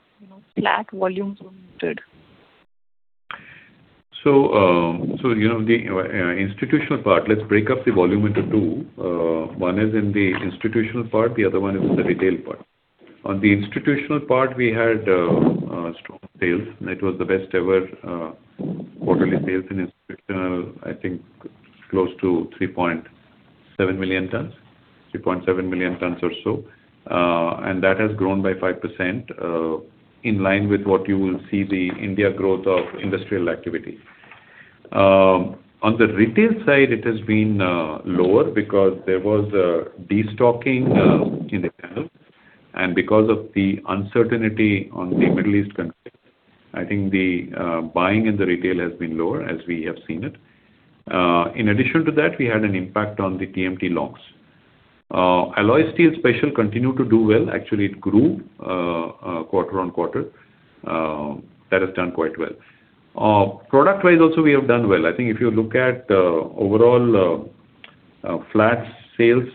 Speaker 12: flat volumes were muted?
Speaker 3: The institutional part, let's break up the volume into two. One is in the institutional part, the other one is the retail part. On the institutional part, we had strong sales. That was the best ever quarterly sales in institutional, I think close to 3.7 million tons or so. That has grown by 5%, in line with what you will see the India growth of industrial activity. On the retail side, it has been lower because there was a destocking in the channel, and because of the uncertainty on the Middle East conflict, I think the buying in the retail has been lower as we have seen it. In addition to that, we had an impact on the TMT longs. Alloy steel special continued to do well. Actually, it grew quarter-over-quarter. That has done quite well. Product-wise also, we have done well. I think if you look at the overall flats sales,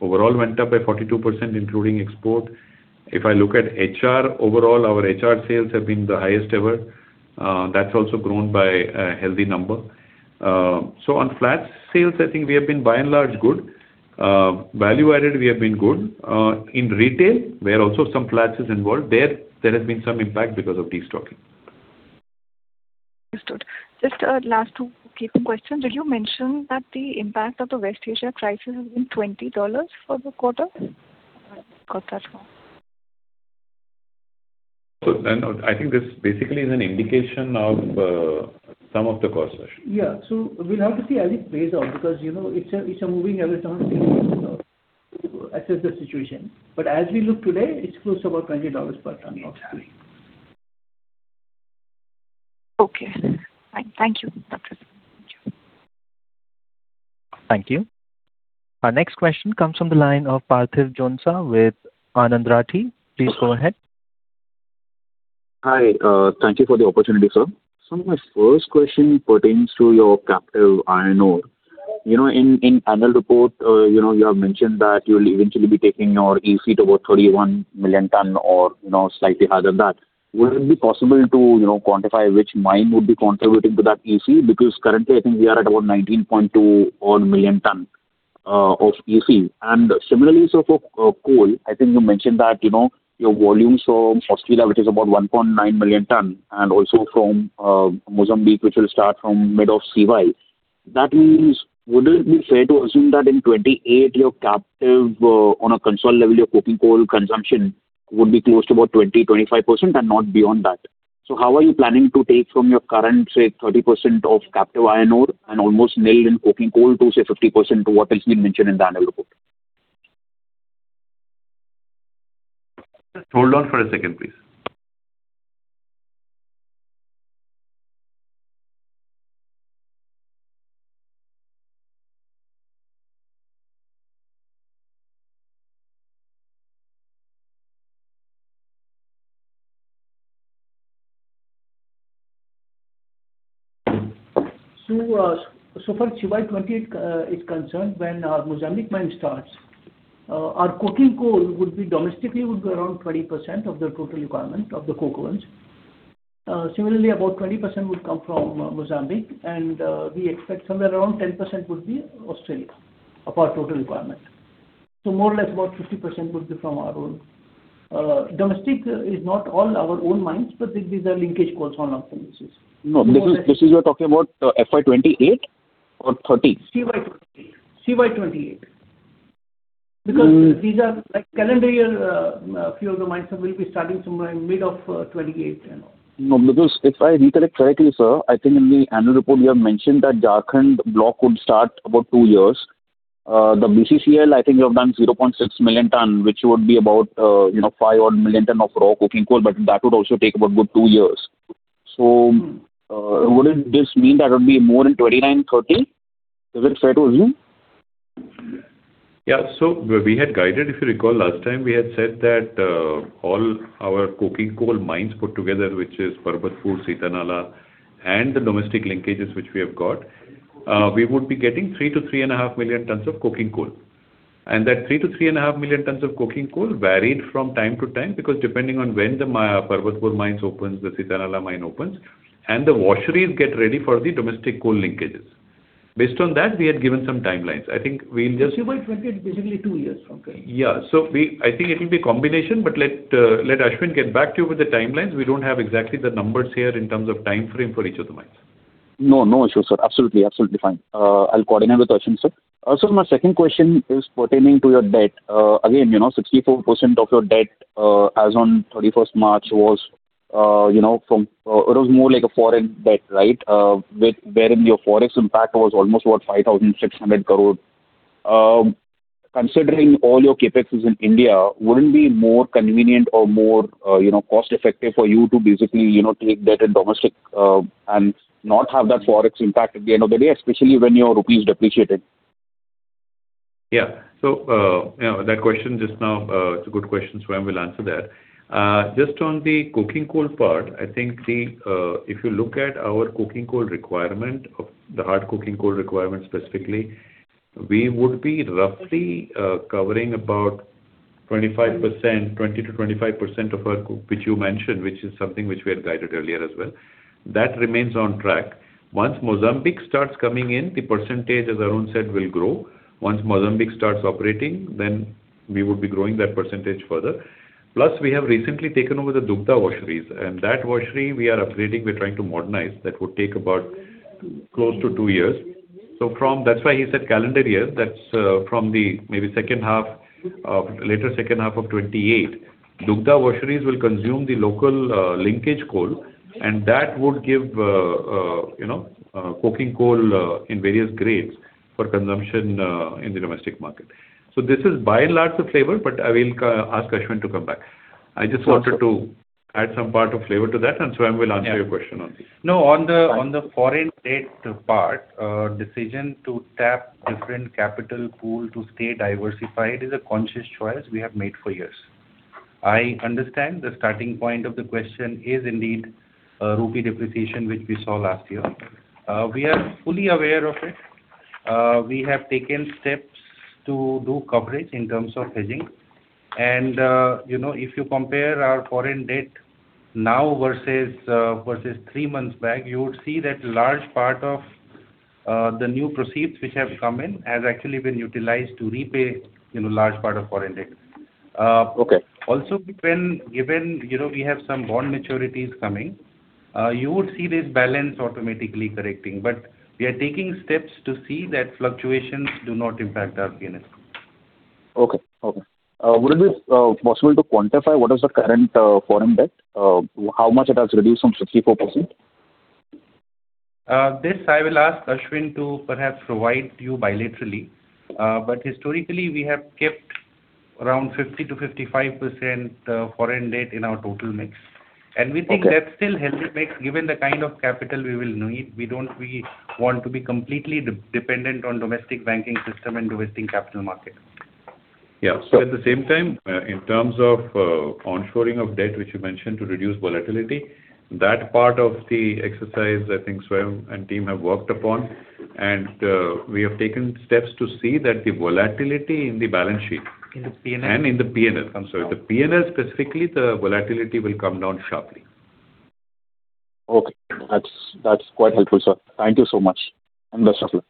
Speaker 3: overall went up by 42%, including export. If I look at HR, overall, our HR sales have been the highest ever. That's also grown by a healthy number. On flats sales, I think we have been by and large, good. Value added, we have been good. In retail, where also some flats is involved, there has been some impact because of destocking.
Speaker 12: Understood. Just last two quick questions. Did you mention that the impact of the West Asia crisis has been $20 for the quarter? Got that wrong.
Speaker 3: I think this basically is an indication of some of the cost.
Speaker 7: Yeah. We'll have to see as it plays out because it's a moving element to assess the situation. As we look today, it's close to about $20 per ton.
Speaker 12: Okay. Thank you.
Speaker 1: Thank you. Our next question comes from the line of Parthiv Jhonsa with Anand Rathi. Please go ahead.
Speaker 13: Hi. Thank you for the opportunity, sir. My first question pertains to your captive iron ore. In annual report, you have mentioned that you'll eventually be taking your AC to about 31 million ton or slightly higher than that. Would it be possible to quantify which mine would be contributing to that AC? Because currently, I think we are at about 19.2-odd million ton of AC. And similarly, sir, for coal, I think you mentioned that your volumes from Australia, which is about 1.9 million ton, and also from Mozambique, which will start from mid of CY. That means, would it be fair to assume that in 2028, your captive on a console level, your coking coal consumption would be close to about 20%-25% and not beyond that. How are you planning to take from your current, say, 30% of captive iron ore and almost nil in coking coal to, say, 50% to what has been mentioned in the annual report?
Speaker 1: Hold on for a second, please.
Speaker 7: Far as CY 2028 is concerned, when our Mozambique mine starts our coking coal domestically would be around 20% of the total requirement of the coke ovens. Similarly, about 20% would come from Mozambique, and we expect somewhere around 10% would be Australia of our total requirement. More or less about 50% would be from our own. Domestic is not all our own mines, but these are linkage coals on long tenures.
Speaker 13: No. This is you're talking about FY 2028 or 2030?
Speaker 7: CY 2028. These are like calendar year, few of the mines will be starting somewhere in mid of 2028.
Speaker 13: Because if I recollect correctly, sir, I think in the annual report, you have mentioned that Jharkhand block would start about two years. The BCCL, I think you have done 0.6 million tons, which would be about five-odd million tons of raw coking coal, that would also take about good two years. Wouldn't this mean that it would be more in 2029, 2030? Is it fair to assume?
Speaker 3: We had guided, if you recall last time, we had said that all our coking coal mines put together, which is Parbatpur, Sitanala, and the domestic linkages which we have got, we would be getting three to 3.5 million tons of coking coal. That three to 3.5 million tons of coking coal varied from time to time because depending on when the Parbatpur mines opens, the Sitanala mine opens, and the washeries get ready for the domestic coal linkages. Based on that, we had given some timelines.
Speaker 7: CY 2028 is basically two years from now.
Speaker 3: I think it will be combination, let Ashwin get back to you with the timelines. We don't have exactly the numbers here in terms of timeframe for each of the mines.
Speaker 13: No issue, sir. Absolutely fine. I will coordinate with Ashwin, sir. My second question is pertaining to your debt. Again, 64% of your debt as on 31st March, it was more like a foreign debt, right? Wherein your Forex impact was almost what, 5,600 crore. Considering all your CapEx is in India, wouldn't it be more convenient or more cost-effective for you to basically take debt in domestic and not have that Forex impact at the end of the day, especially when your rupee is depreciated?
Speaker 3: Yeah. That question just now, it's a good question. Swayam will answer that. Just on the coking coal part, I think if you look at our coking coal requirement, the hard coking coal requirement specifically, we would be roughly covering about 20%-25% of our coke, which you mentioned, which is something which we had guided earlier as well. That remains on track. Once Mozambique starts coming in, the percentage, as Arun said, will grow. Once Mozambique starts operating, then we would be growing that percentage further. Plus, we have recently taken over the Dugdha washeries, and that washery we are upgrading. We are trying to modernize. That would take about close to two years. That's why he said calendar years. That's from maybe the later second half of 2028. Dugdha washeries will consume the local linkage coal, and that would give coking coal in various grades for consumption in the domestic market. This is by and large the flavor, but I will ask Ashwin to come back. I just wanted to add some part of flavor to that, and Swayam will answer your question on this.
Speaker 6: On the foreign debt part, decision to tap different capital pool to stay diversified is a conscious choice we have made for years. I understand the starting point of the question is indeed rupee depreciation, which we saw last year. We are fully aware of it. We have taken steps to do coverage in terms of hedging. If you compare our foreign debt now versus three months back, you would see that a large part of the new proceeds which have come in has actually been utilized to repay large part of foreign debt.
Speaker 13: Okay.
Speaker 6: Given we have some bond maturities coming, you would see this balance automatically correcting, but we are taking steps to see that fluctuations do not impact our P&L.
Speaker 13: Okay. Would it be possible to quantify what is the current foreign debt? How much it has reduced from 54%?
Speaker 6: This, I will ask Ashwin to perhaps provide you bilaterally. Historically, we have kept around 50%-55% foreign debt in our total mix. We think that still helps the mix, given the kind of capital we will need. We don't really want to be completely dependent on domestic banking system and domestic capital market.
Speaker 3: At the same time in terms of onshoring of debt which you mentioned to reduce volatility, that part of the exercise I think Swayam and team have worked upon and we have taken steps to see that the volatility in the balance sheet-
Speaker 6: In the P&L.
Speaker 3: In the P&L. I'm sorry. The P&L specifically, the volatility will come down sharply.
Speaker 13: Okay. That's quite helpful, sir. Thank you so much, and best of luck.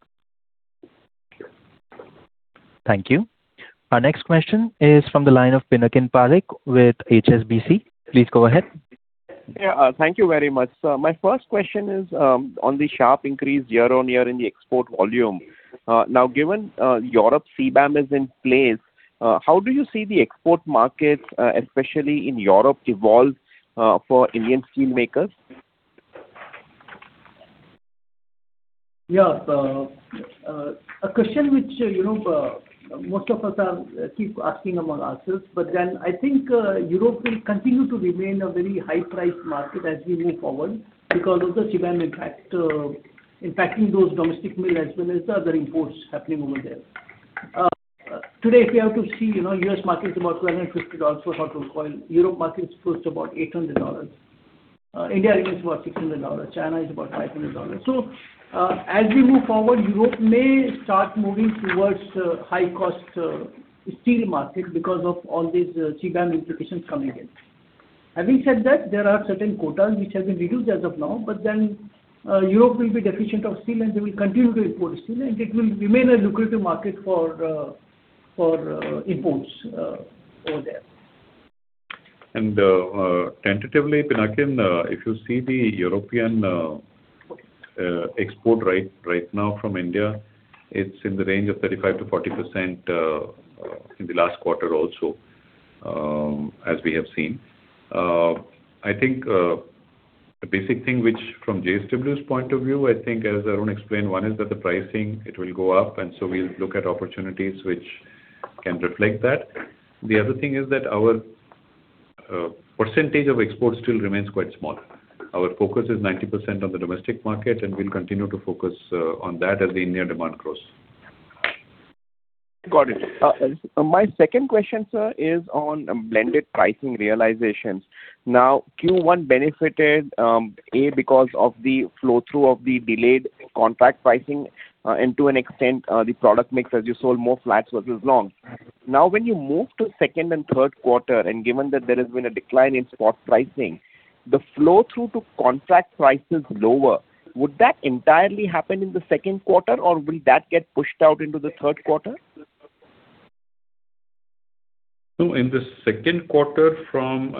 Speaker 1: Thank you. Our next question is from the line of Pinakin Parekh with HSBC. Please go ahead.
Speaker 14: Yeah. Thank you very much, sir. My first question is on the sharp increase year-on-year in the export volume. Given Europe CBAM is in place, how do you see the export markets, especially in Europe, evolve for Indian steelmakers?
Speaker 7: Yeah. A question which most of us keep asking among ourselves. I think Europe will continue to remain a very high priced market as we move forward because of the CBAM impacting those domestic mill as well as the other imports happening over there. Today, if you have to see, U.S. market is about $250 for hot rolled coil. Europe market is close to about $800. India, I think it's about $600. China is about $500. As we move forward, Europe may start moving towards high cost steel market because of all these CBAM implications coming in. Having said that, there are certain quotas which have been reduced as of now. Europe will be deficient of steel and they will continue to import steel, and it will remain a lucrative market for imports over there.
Speaker 3: Tentatively, Pinakin, if you see the European export rate right now from India, it's in the range of 35%-40% in the last quarter also, as we have seen. I think the basic thing which from JSW's point of view, I think as Arun explained, one is that the pricing, it will go up, we'll look at opportunities which can reflect that. The other thing is that our percentage of exports still remains quite small. Our focus is 90% on the domestic market, and we'll continue to focus on that as the Indian demand grows.
Speaker 14: Got it. My second question, sir, is on blended pricing realizations. Q1 benefited, A, because of the flow-through of the delayed contract pricing and to an extent the product mix as you sold more flats versus long. When you move to second and third quarter, and given that there has been a decline in spot pricing, the flow-through to contract price is lower. Would that entirely happen in the second quarter or will that get pushed out into the third quarter?
Speaker 3: No. In the second quarter, from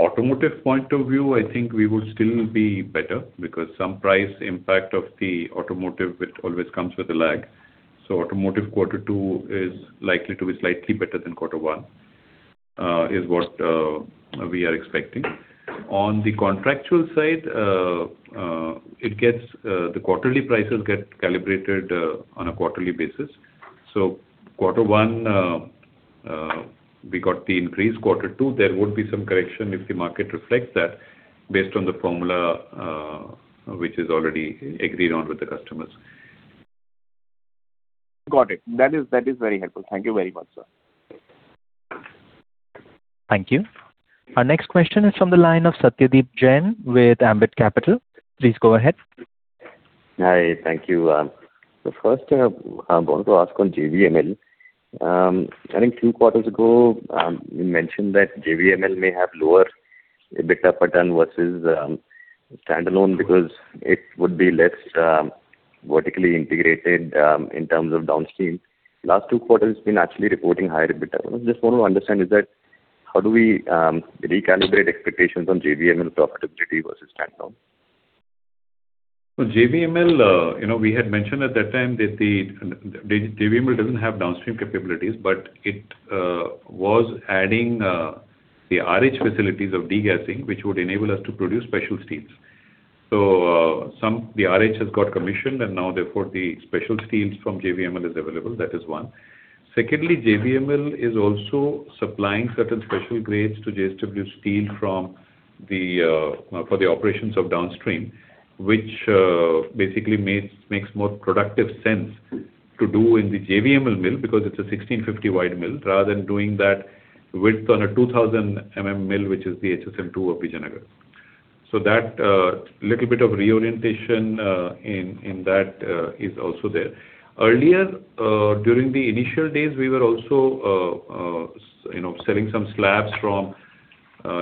Speaker 3: automotive point of view, I think we would still be better because some price impact of the automotive, it always comes with a lag. Automotive quarter two is likely to be slightly better than quarter one, is what we are expecting. On the contractual side, the quarterly prices get calibrated on a quarterly basis. Quarter one, we got the increase. Quarter two, there would be some correction if the market reflects that based on the formula which is already agreed on with the customers.
Speaker 14: Got it. That is very helpful. Thank you very much, sir.
Speaker 1: Thank you. Our next question is from the line of Satyadeep Jain with Ambit Capital. Please go ahead.
Speaker 15: Hi. Thank you. First I want to ask on JVML. I think two quarters ago, you mentioned that JVML may have lower EBITDA per ton versus standalone because it would be less vertically integrated in terms of downstream. Last two quarters been actually reporting higher EBITDA. I just want to understand, how do we recalibrate expectations on JVML profitability versus standalone?
Speaker 3: JVML, we had mentioned at that time that JVML does not have downstream capabilities, but it was adding the RH facilities of degassing, which would enable us to produce special steels. The RH has got commissioned and now therefore the special steels from JVML is available. That is one. Secondly, JVML is also supplying certain special grades to JSW Steel for the operations of downstream, which basically makes more productive sense to do in the JVML mill because it is a 1,650 wide mill, rather than doing that width on a 2,000 mm mill, which is the HSM-2 of Vijayanagar. That little bit of reorientation in that is also there. Earlier, during the initial days, we were also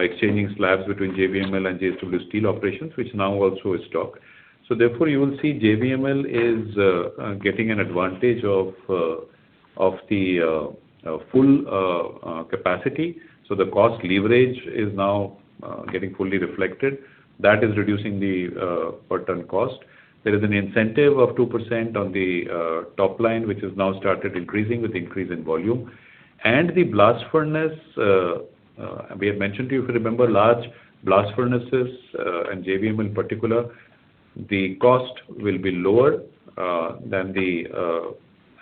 Speaker 3: exchanging slabs between JVML and JSW Steel operations, which now also is stopped. Therefore, you will see JVML is getting an advantage of the full capacity. The cost leverage is now getting fully reflected. That is reducing the per ton cost. There is an incentive of 2% on the top line, which has now started increasing with increase in volume. The blast furnace, we have mentioned to you, if you remember, large blast furnaces and JVML in particular, the cost will be lower than the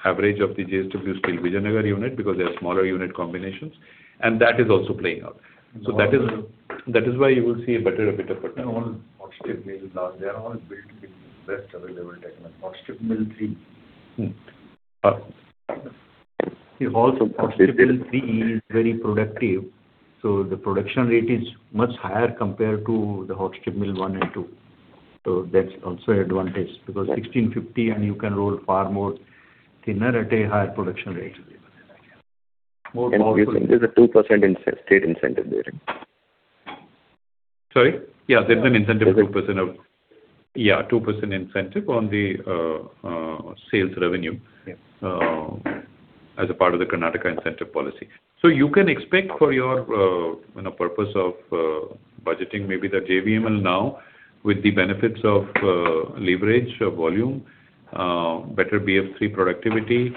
Speaker 3: average of the JSW Steel Vijayanagar unit because they are smaller unit combinations. That is also playing out. That is why you will see a better EBITDA per ton. They are all built with the best available technology. Hot Strip Mill 3. Hot Strip Mill 3 is very productive, the production rate is much higher compared to the Hot Strip Mill 1 and 2. That is also advantage because 1,650 and you can roll far more thinner at a higher production rate.
Speaker 15: You said there's a 2% state incentive there.
Speaker 3: Sorry. Yeah, there's an incentive, 2%.
Speaker 15: Is it?
Speaker 3: Yeah, 2% incentive on the sales revenue.
Speaker 15: Yes.
Speaker 3: As a part of the Karnataka incentive policy. You can expect for your purpose of budgeting, maybe that JVML now with the benefits of leverage of volume, better BF-3 productivity,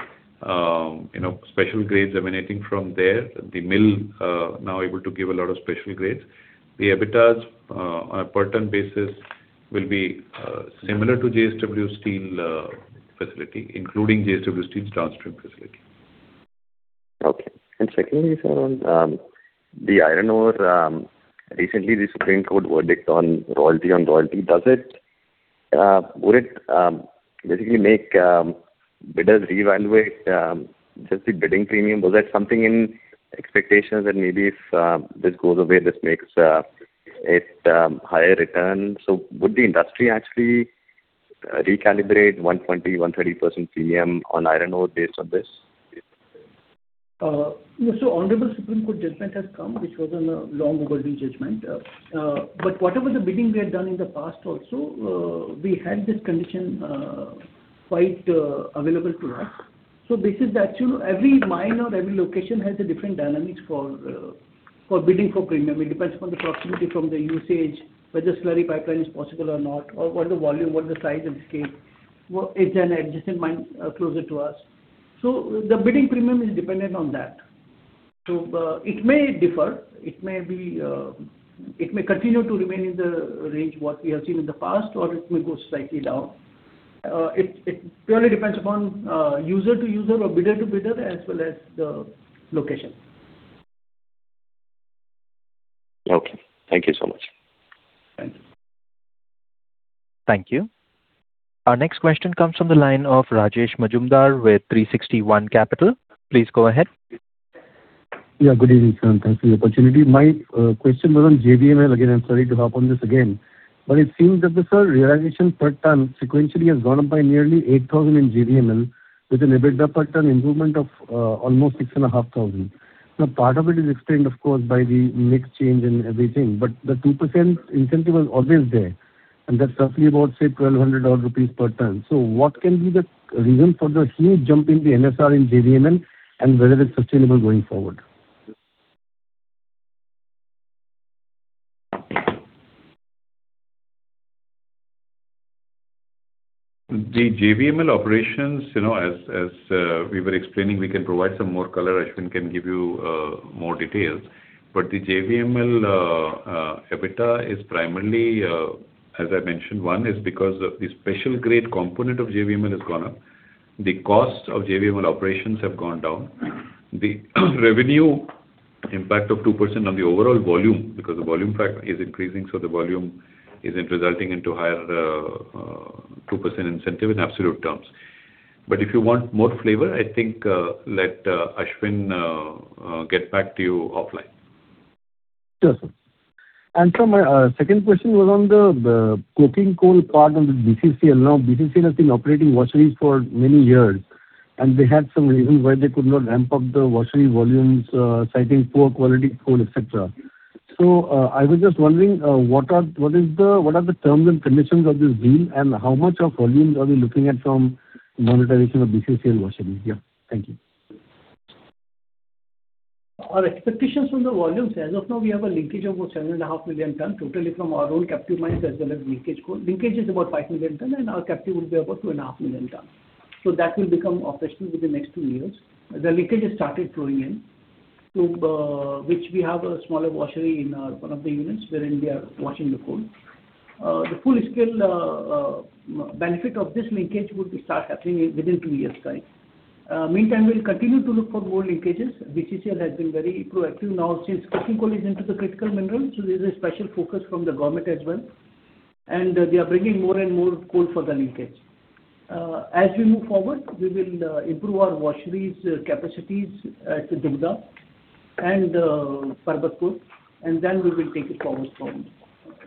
Speaker 3: special grades emanating from there, the mill now able to give a lot of special grades. The EBITDA on a per ton basis will be similar to JSW Steel facility, including JSW Steel's downstream facility.
Speaker 15: Okay. Secondly, sir, on the iron ore, recently the Supreme Court verdict on royalty. Would it basically make bidders reevaluate just the bidding premium? Was that something in expectations that maybe if this goes away, this makes it higher return? Would the industry actually recalibrate 120%, 130% premium on iron ore based on this?
Speaker 7: Honorable Supreme Court judgment has come, which was on a long-overdue judgment. Whatever the bidding we had done in the past also, we had this condition quite available to us. This is the actual, every mine or every location has a different dynamics for bidding for premium. It depends upon the proximity from the usage, whether slurry pipeline is possible or not, or what the volume, what the size and scale. Is an adjacent mine closer to us? The bidding premium is dependent on that. It may differ. It may continue to remain in the range what we have seen in the past, or it may go slightly down. It purely depends upon user to user or bidder to bidder as well as the location.
Speaker 15: Okay. Thank you so much.
Speaker 3: Thank you.
Speaker 1: Thank you. Our next question comes from the line of Rajesh Majumdar with 360 ONE Capital. Please go ahead.
Speaker 16: Yeah, good evening, sir. Thanks for the opportunity. My question was on JVML. Again, I'm sorry to harp on this again, but it seems that the, sir, realization per ton sequentially has gone up by nearly 8,000 in JVML with an EBITDA per ton improvement of almost 6,500. Now, part of it is explained, of course, by the mix change and everything, but the 2% incentive was always there, and that's roughly about, say, 1,200-odd rupees per ton. What can be the reason for the huge jump in the NSR in JVML and whether it's sustainable going forward?
Speaker 3: The JVML operations, as we were explaining, we can provide some more color. Ashwin can give you more details. The JVML EBITDA is primarily, as I mentioned, one is because of the special grade component of JVML has gone up. The cost of JVML operations have gone down. The revenue impact of 2% on the overall volume because the volume factor is increasing, the volume isn't resulting into higher 2% incentive in absolute terms. If you want more flavor, I think let Ashwin get back to you offline.
Speaker 16: Sure, sir. Sir, my second question was on the coking coal part on the BCCL. BCCL has been operating washeries for many years, and they had some reason why they could not ramp up the washery volumes, citing poor quality coal, et cetera. I was just wondering, what are the terms and conditions of this deal, and how much of volumes are we looking at from monetization of BCCL washeries? Yeah. Thank you.
Speaker 7: Our expectations from the volumes, as of now, we have a linkage of about 7.5 million tons totally from our own captive mines as well as linkage coal. Linkage is about five million tons, and our captive would be about 2.5 million tons. That will become operational within next two years. The linkage has started flowing in, to which we have a smaller washery in one of the units wherein we are washing the coal. The full scale benefit of this linkage would start happening within two years' time. Meantime, we'll continue to look for more linkages. BCCL has been very proactive now since coking coal is into the critical minerals, so there's a special focus from the government as well, and they are bringing more and more coal for the linkage. As we move forward, we will improve our washeries capacities at Dugdha and Parbatpur, and then we will take it forward from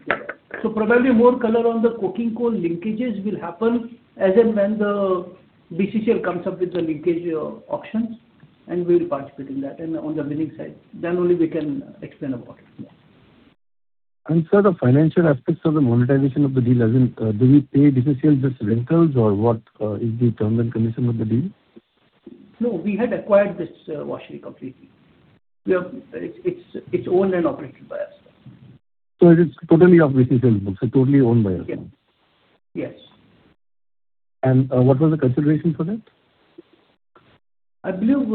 Speaker 7: there. Probably more color on the coking coal linkages will happen as and when the BCCL comes up with the linkage auctions, and we'll participate in that and on the winning side. Only we can explain about it. Yeah.
Speaker 16: Sir, the financial aspects of the monetization of the deal, as in do we pay BCCL just rentals or what is the term and condition of the deal?
Speaker 7: No, we had acquired this washery completely. It's owned and operated by us.
Speaker 3: It is totally off BCCL books and totally owned by us.
Speaker 7: Yes.
Speaker 16: What was the consideration for that?
Speaker 7: I believe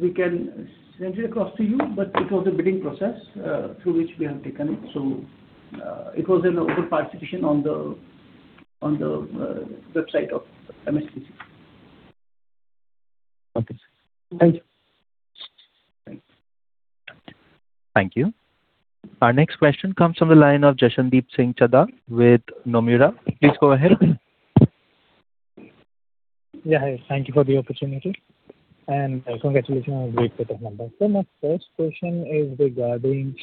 Speaker 7: we can send it across to you, but it was a bidding process through which we have taken it. It was an open participation on the website of MSTC.
Speaker 16: Okay, sir. Thank you.
Speaker 1: Thank you. Our next question comes from the line of Jashandeep Singh Chadha with Nomura. Please go ahead.
Speaker 17: Yeah. Hi. Thank you for the opportunity and congratulations on the great quarter number. Sir, my first question is regarding.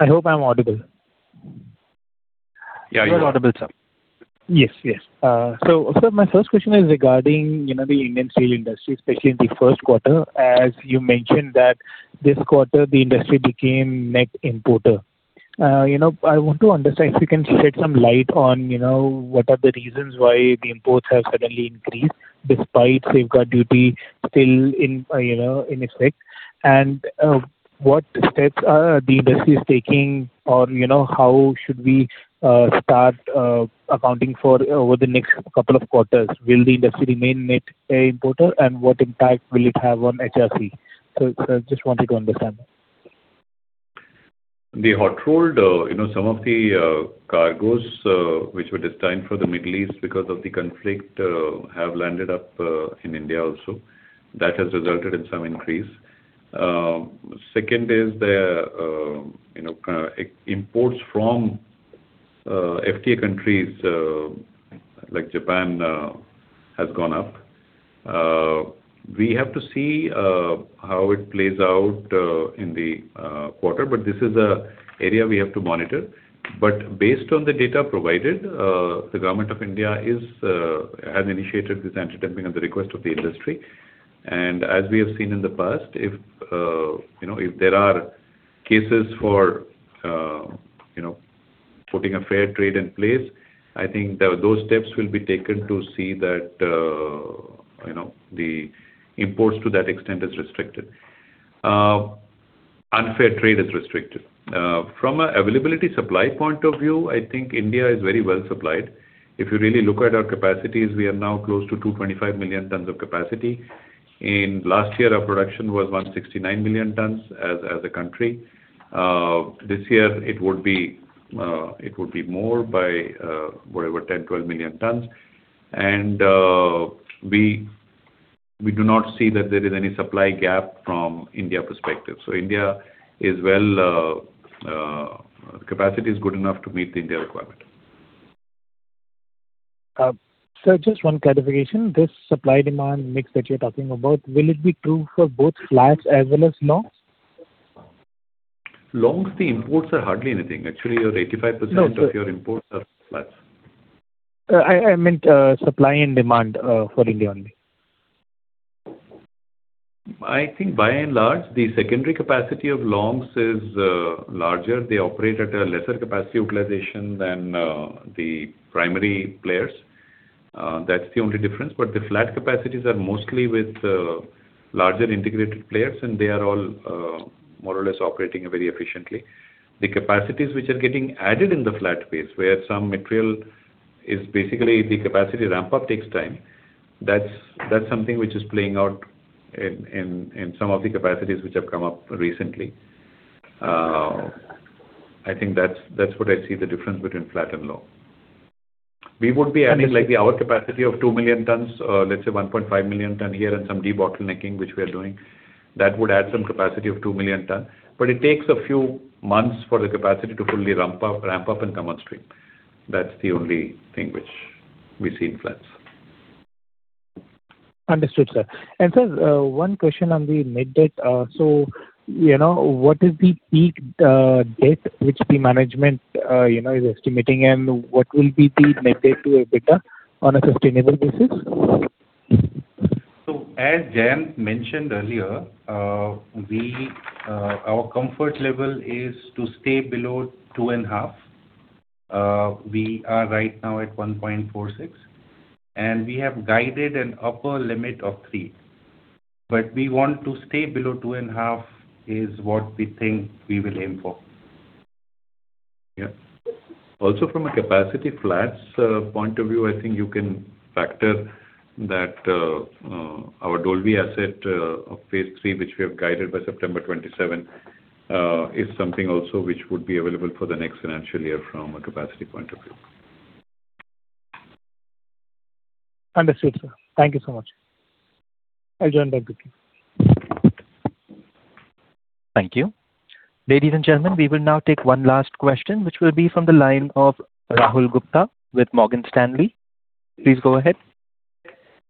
Speaker 17: I hope I'm audible.
Speaker 3: Yeah, you are.
Speaker 1: You're audible, sir.
Speaker 17: Yes. Sir, my first question is regarding the Indian steel industry, especially in the first quarter. As you mentioned that this quarter the industry became net importer. I want to understand if you can shed some light on what are the reasons why the imports have suddenly increased despite safeguard duty still in effect. What steps the industry is taking or how should we start accounting for over the next couple of quarters? Will the industry remain net importer and what impact will it have on HRC? Sir, just wanted to understand.
Speaker 3: The hot rolled, some of the cargoes which were destined for the Middle East because of the conflict have landed up in India also. That has resulted in some increase. Second is the imports from FTA countries like Japan has gone up. We have to see how it plays out in the quarter, this is an area we have to monitor. Based on the data provided, the Government of India has initiated this anti-dumping on the request of the industry. As we have seen in the past, if there are cases for putting a fair trade in place, I think those steps will be taken to see that the imports to that extent is restricted. Unfair trade is restricted. From a availability supply point of view, I think India is very well supplied. If you really look at our capacities, we are now close to 225 million tons of capacity. In last year, our production was 169 million tons as a country. This year it would be more by whatever, 10, 12 million tons, we do not see that there is any supply gap from India perspective. Capacity is good enough to meet the Indian requirement.
Speaker 17: Sir, just one clarification. This supply-demand mix that you're talking about, will it be true for both flats as well as longs?
Speaker 3: Longs, the imports are hardly anything. Actually, your 85% of your imports are flats.
Speaker 17: I meant supply and demand for India only?
Speaker 3: I think by and large, the secondary capacity of longs is larger. They operate at a lesser capacity utilization than the primary players. That's the only difference. The flat capacities are mostly with larger integrated players, and they are all more or less operating very efficiently. The capacities which are getting added in the flat base, where some material is basically the capacity ramp-up takes time. That's something which is playing out in some of the capacities which have come up recently. I think that's what I see the difference between flat and long. We would be adding like our capacity of two million tons, let's say 1.5 million tons here and some debottlenecking which we are doing. That would add some capacity of two million tons. It takes a few months for the capacity to fully ramp up and come on stream. That's the only thing which we see in flats.
Speaker 17: Understood, sir. Sir, one question on the net debt. What is the peak debt which the management is estimating, and what will be the net debt to EBITDA on a sustainable basis?
Speaker 6: As Jayant mentioned earlier, our comfort level is to stay below 2.5. We are right now at 1.46, and we have guided an upper limit of three. We want to stay below 2.5, is what we think we will aim for.
Speaker 3: Also from a capacity flats point of view, I think you can factor that our Dolvi asset of phase three, which we have guided by September 2027, is something also which would be available for the next financial year from a capacity point of view.
Speaker 17: Understood, sir. Thank you so much. I'll join back with you.
Speaker 1: Thank you. Ladies and gentlemen, we will now take one last question, which will be from the line of Rahul Gupta with Morgan Stanley. Please go ahead.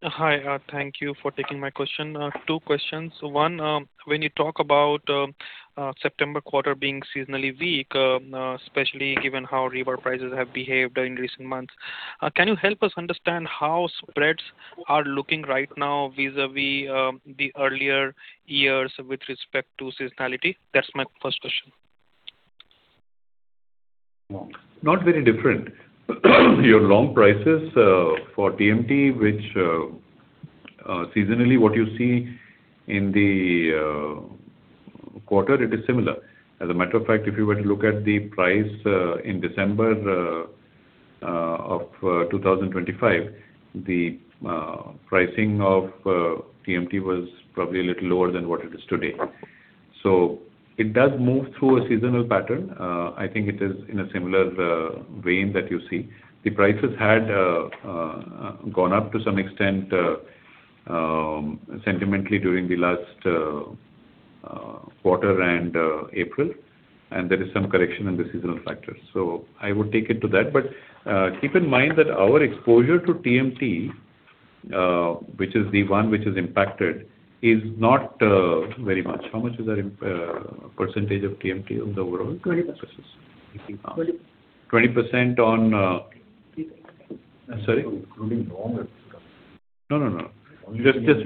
Speaker 18: Hi. Thank you for taking my question. Two questions. One, when you talk about September quarter being seasonally weak, especially given how rebar prices have behaved in recent months, can you help us understand how spreads are looking right now vis-à-vis the earlier years with respect to seasonality? That's my first question.
Speaker 3: Not very different. Your long prices for TMT, which seasonally what you see in the quarter, it is similar. As a matter of fact, if you were to look at the price in December of 2025, the pricing of TMT was probably a little lower than what it is today. It does move through a seasonal pattern. I think it is in a similar vein that you see. The prices had gone up to some extent sentimentally during the last quarter and April, and there is some correction in the seasonal factors. I would take it to that. Keep in mind that our exposure to TMT, which is the one which is impacted, is not very much. How much is our percentage of TMT of the overall?
Speaker 18: 20%.
Speaker 3: 20% on? Sorry.
Speaker 18: Including long.
Speaker 3: No, no. Just give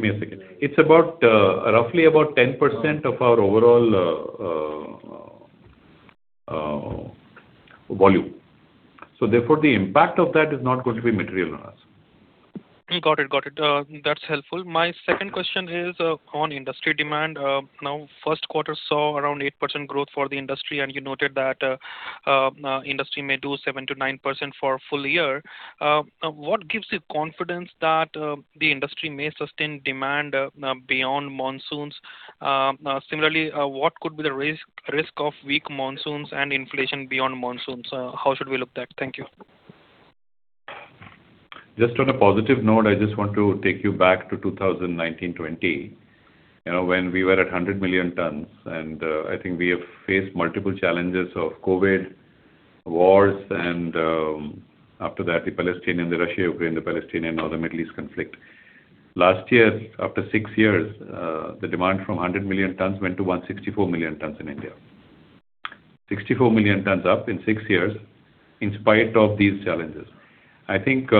Speaker 3: me a second. It's roughly about 10% of our overall volume. Therefore, the impact of that is not going to be material on us.
Speaker 18: Got it. That's helpful. My second question is on industry demand. Now, first quarter saw around 8% growth for the industry, and you noted that industry may do 7%-9% for a full year. What gives you confidence that the industry may sustain demand beyond monsoons? Similarly, what could be the risk of weak monsoons and inflation beyond monsoons? How should we look at that? Thank you.
Speaker 3: Just on a positive note, I just want to take you back to 2019-2020, when we were at 100 million tons, and I think we have faced multiple challenges of COVID, wars, and after that, the Russia, Ukraine, the Palestinian, or the Middle East conflict. Last year, after six years, the demand from 100 million tons went to 164 million tons in India. 64 million tons up in six years in spite of these challenges. I think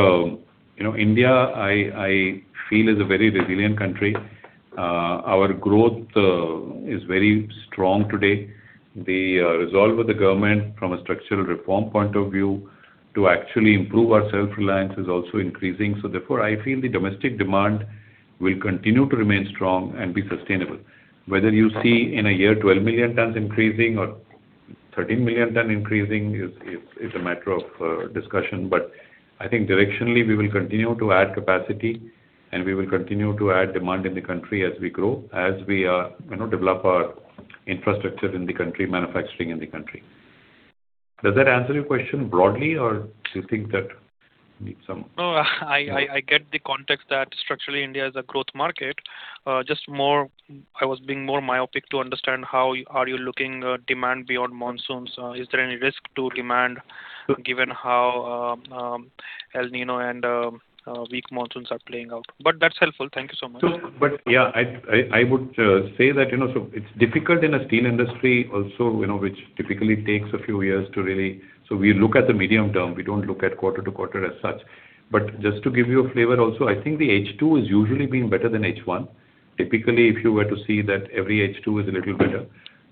Speaker 3: India, I feel, is a very resilient country. Our growth is very strong today. The resolve with the government from a structural reform point of view to actually improve our self-reliance is also increasing. Therefore, I feel the domestic demand will continue to remain strong and be sustainable. Whether you see in a year 12 million tons increasing or 13 million tons increasing is a matter of discussion. I think directionally, we will continue to add capacity, and we will continue to add demand in the country as we grow, as we develop our infrastructure in the country, manufacturing in the country. Does that answer your question broadly, or do you think that needs some-
Speaker 18: I get the context that structurally India is a growth market. Just I was being more myopic to understand how are you looking demand beyond monsoons. Is there any risk to demand given how El Niño and weak monsoons are playing out? That's helpful. Thank you so much.
Speaker 3: I would say that it's difficult in a steel industry also, which typically takes a few years to really. We look at the medium term. We don't look at quarter to quarter as such. Just to give you a flavor also, I think the H2 has usually been better than H1. Typically, if you were to see that every H2 is a little better.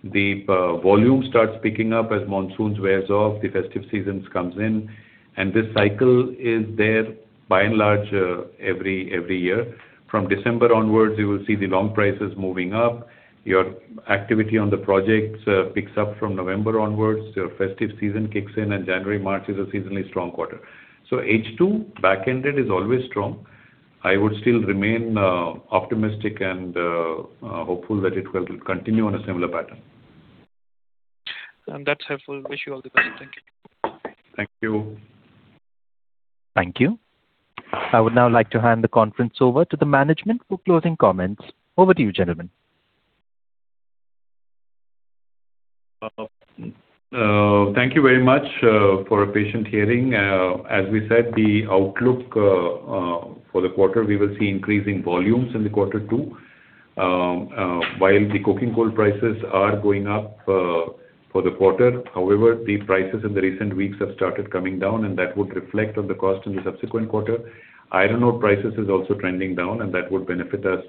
Speaker 3: The volume starts picking up as monsoons wears off, the festive season comes in, and this cycle is there by and large every year. From December onwards, you will see the long prices moving up. Your activity on the projects picks up from November onwards. Your festive season kicks in and January-March is a seasonally strong quarter. H2, back-ended is always strong. I would still remain optimistic and hopeful that it will continue on a similar pattern.
Speaker 18: That's helpful. Wish you all the best. Thank you.
Speaker 3: Thank you.
Speaker 1: Thank you. I would now like to hand the conference over to the management for closing comments. Over to you, gentlemen.
Speaker 3: Thank you very much for a patient hearing. As we said, the outlook for the quarter, we will see increasing volumes in the quarter two. While the coking coal prices are going up for the quarter, however, the prices in the recent weeks have started coming down, and that would reflect on the cost in the subsequent quarter. Iron ore prices is also trending down, and that would benefit us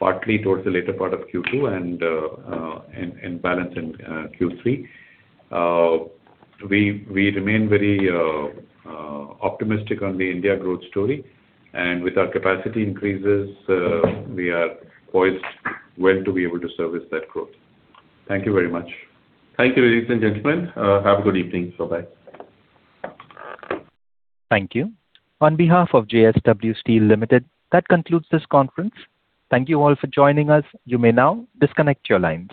Speaker 3: partly towards the later part of Q2 and balance in Q3. We remain very optimistic on the India growth story, and with our capacity increases, we are poised well to be able to service that growth. Thank you very much. Thank you, ladies and gentlemen. Have a good evening. Bye-bye.
Speaker 1: Thank you. On behalf of JSW Steel Limited, that concludes this conference. Thank you all for joining us. You may now disconnect your lines.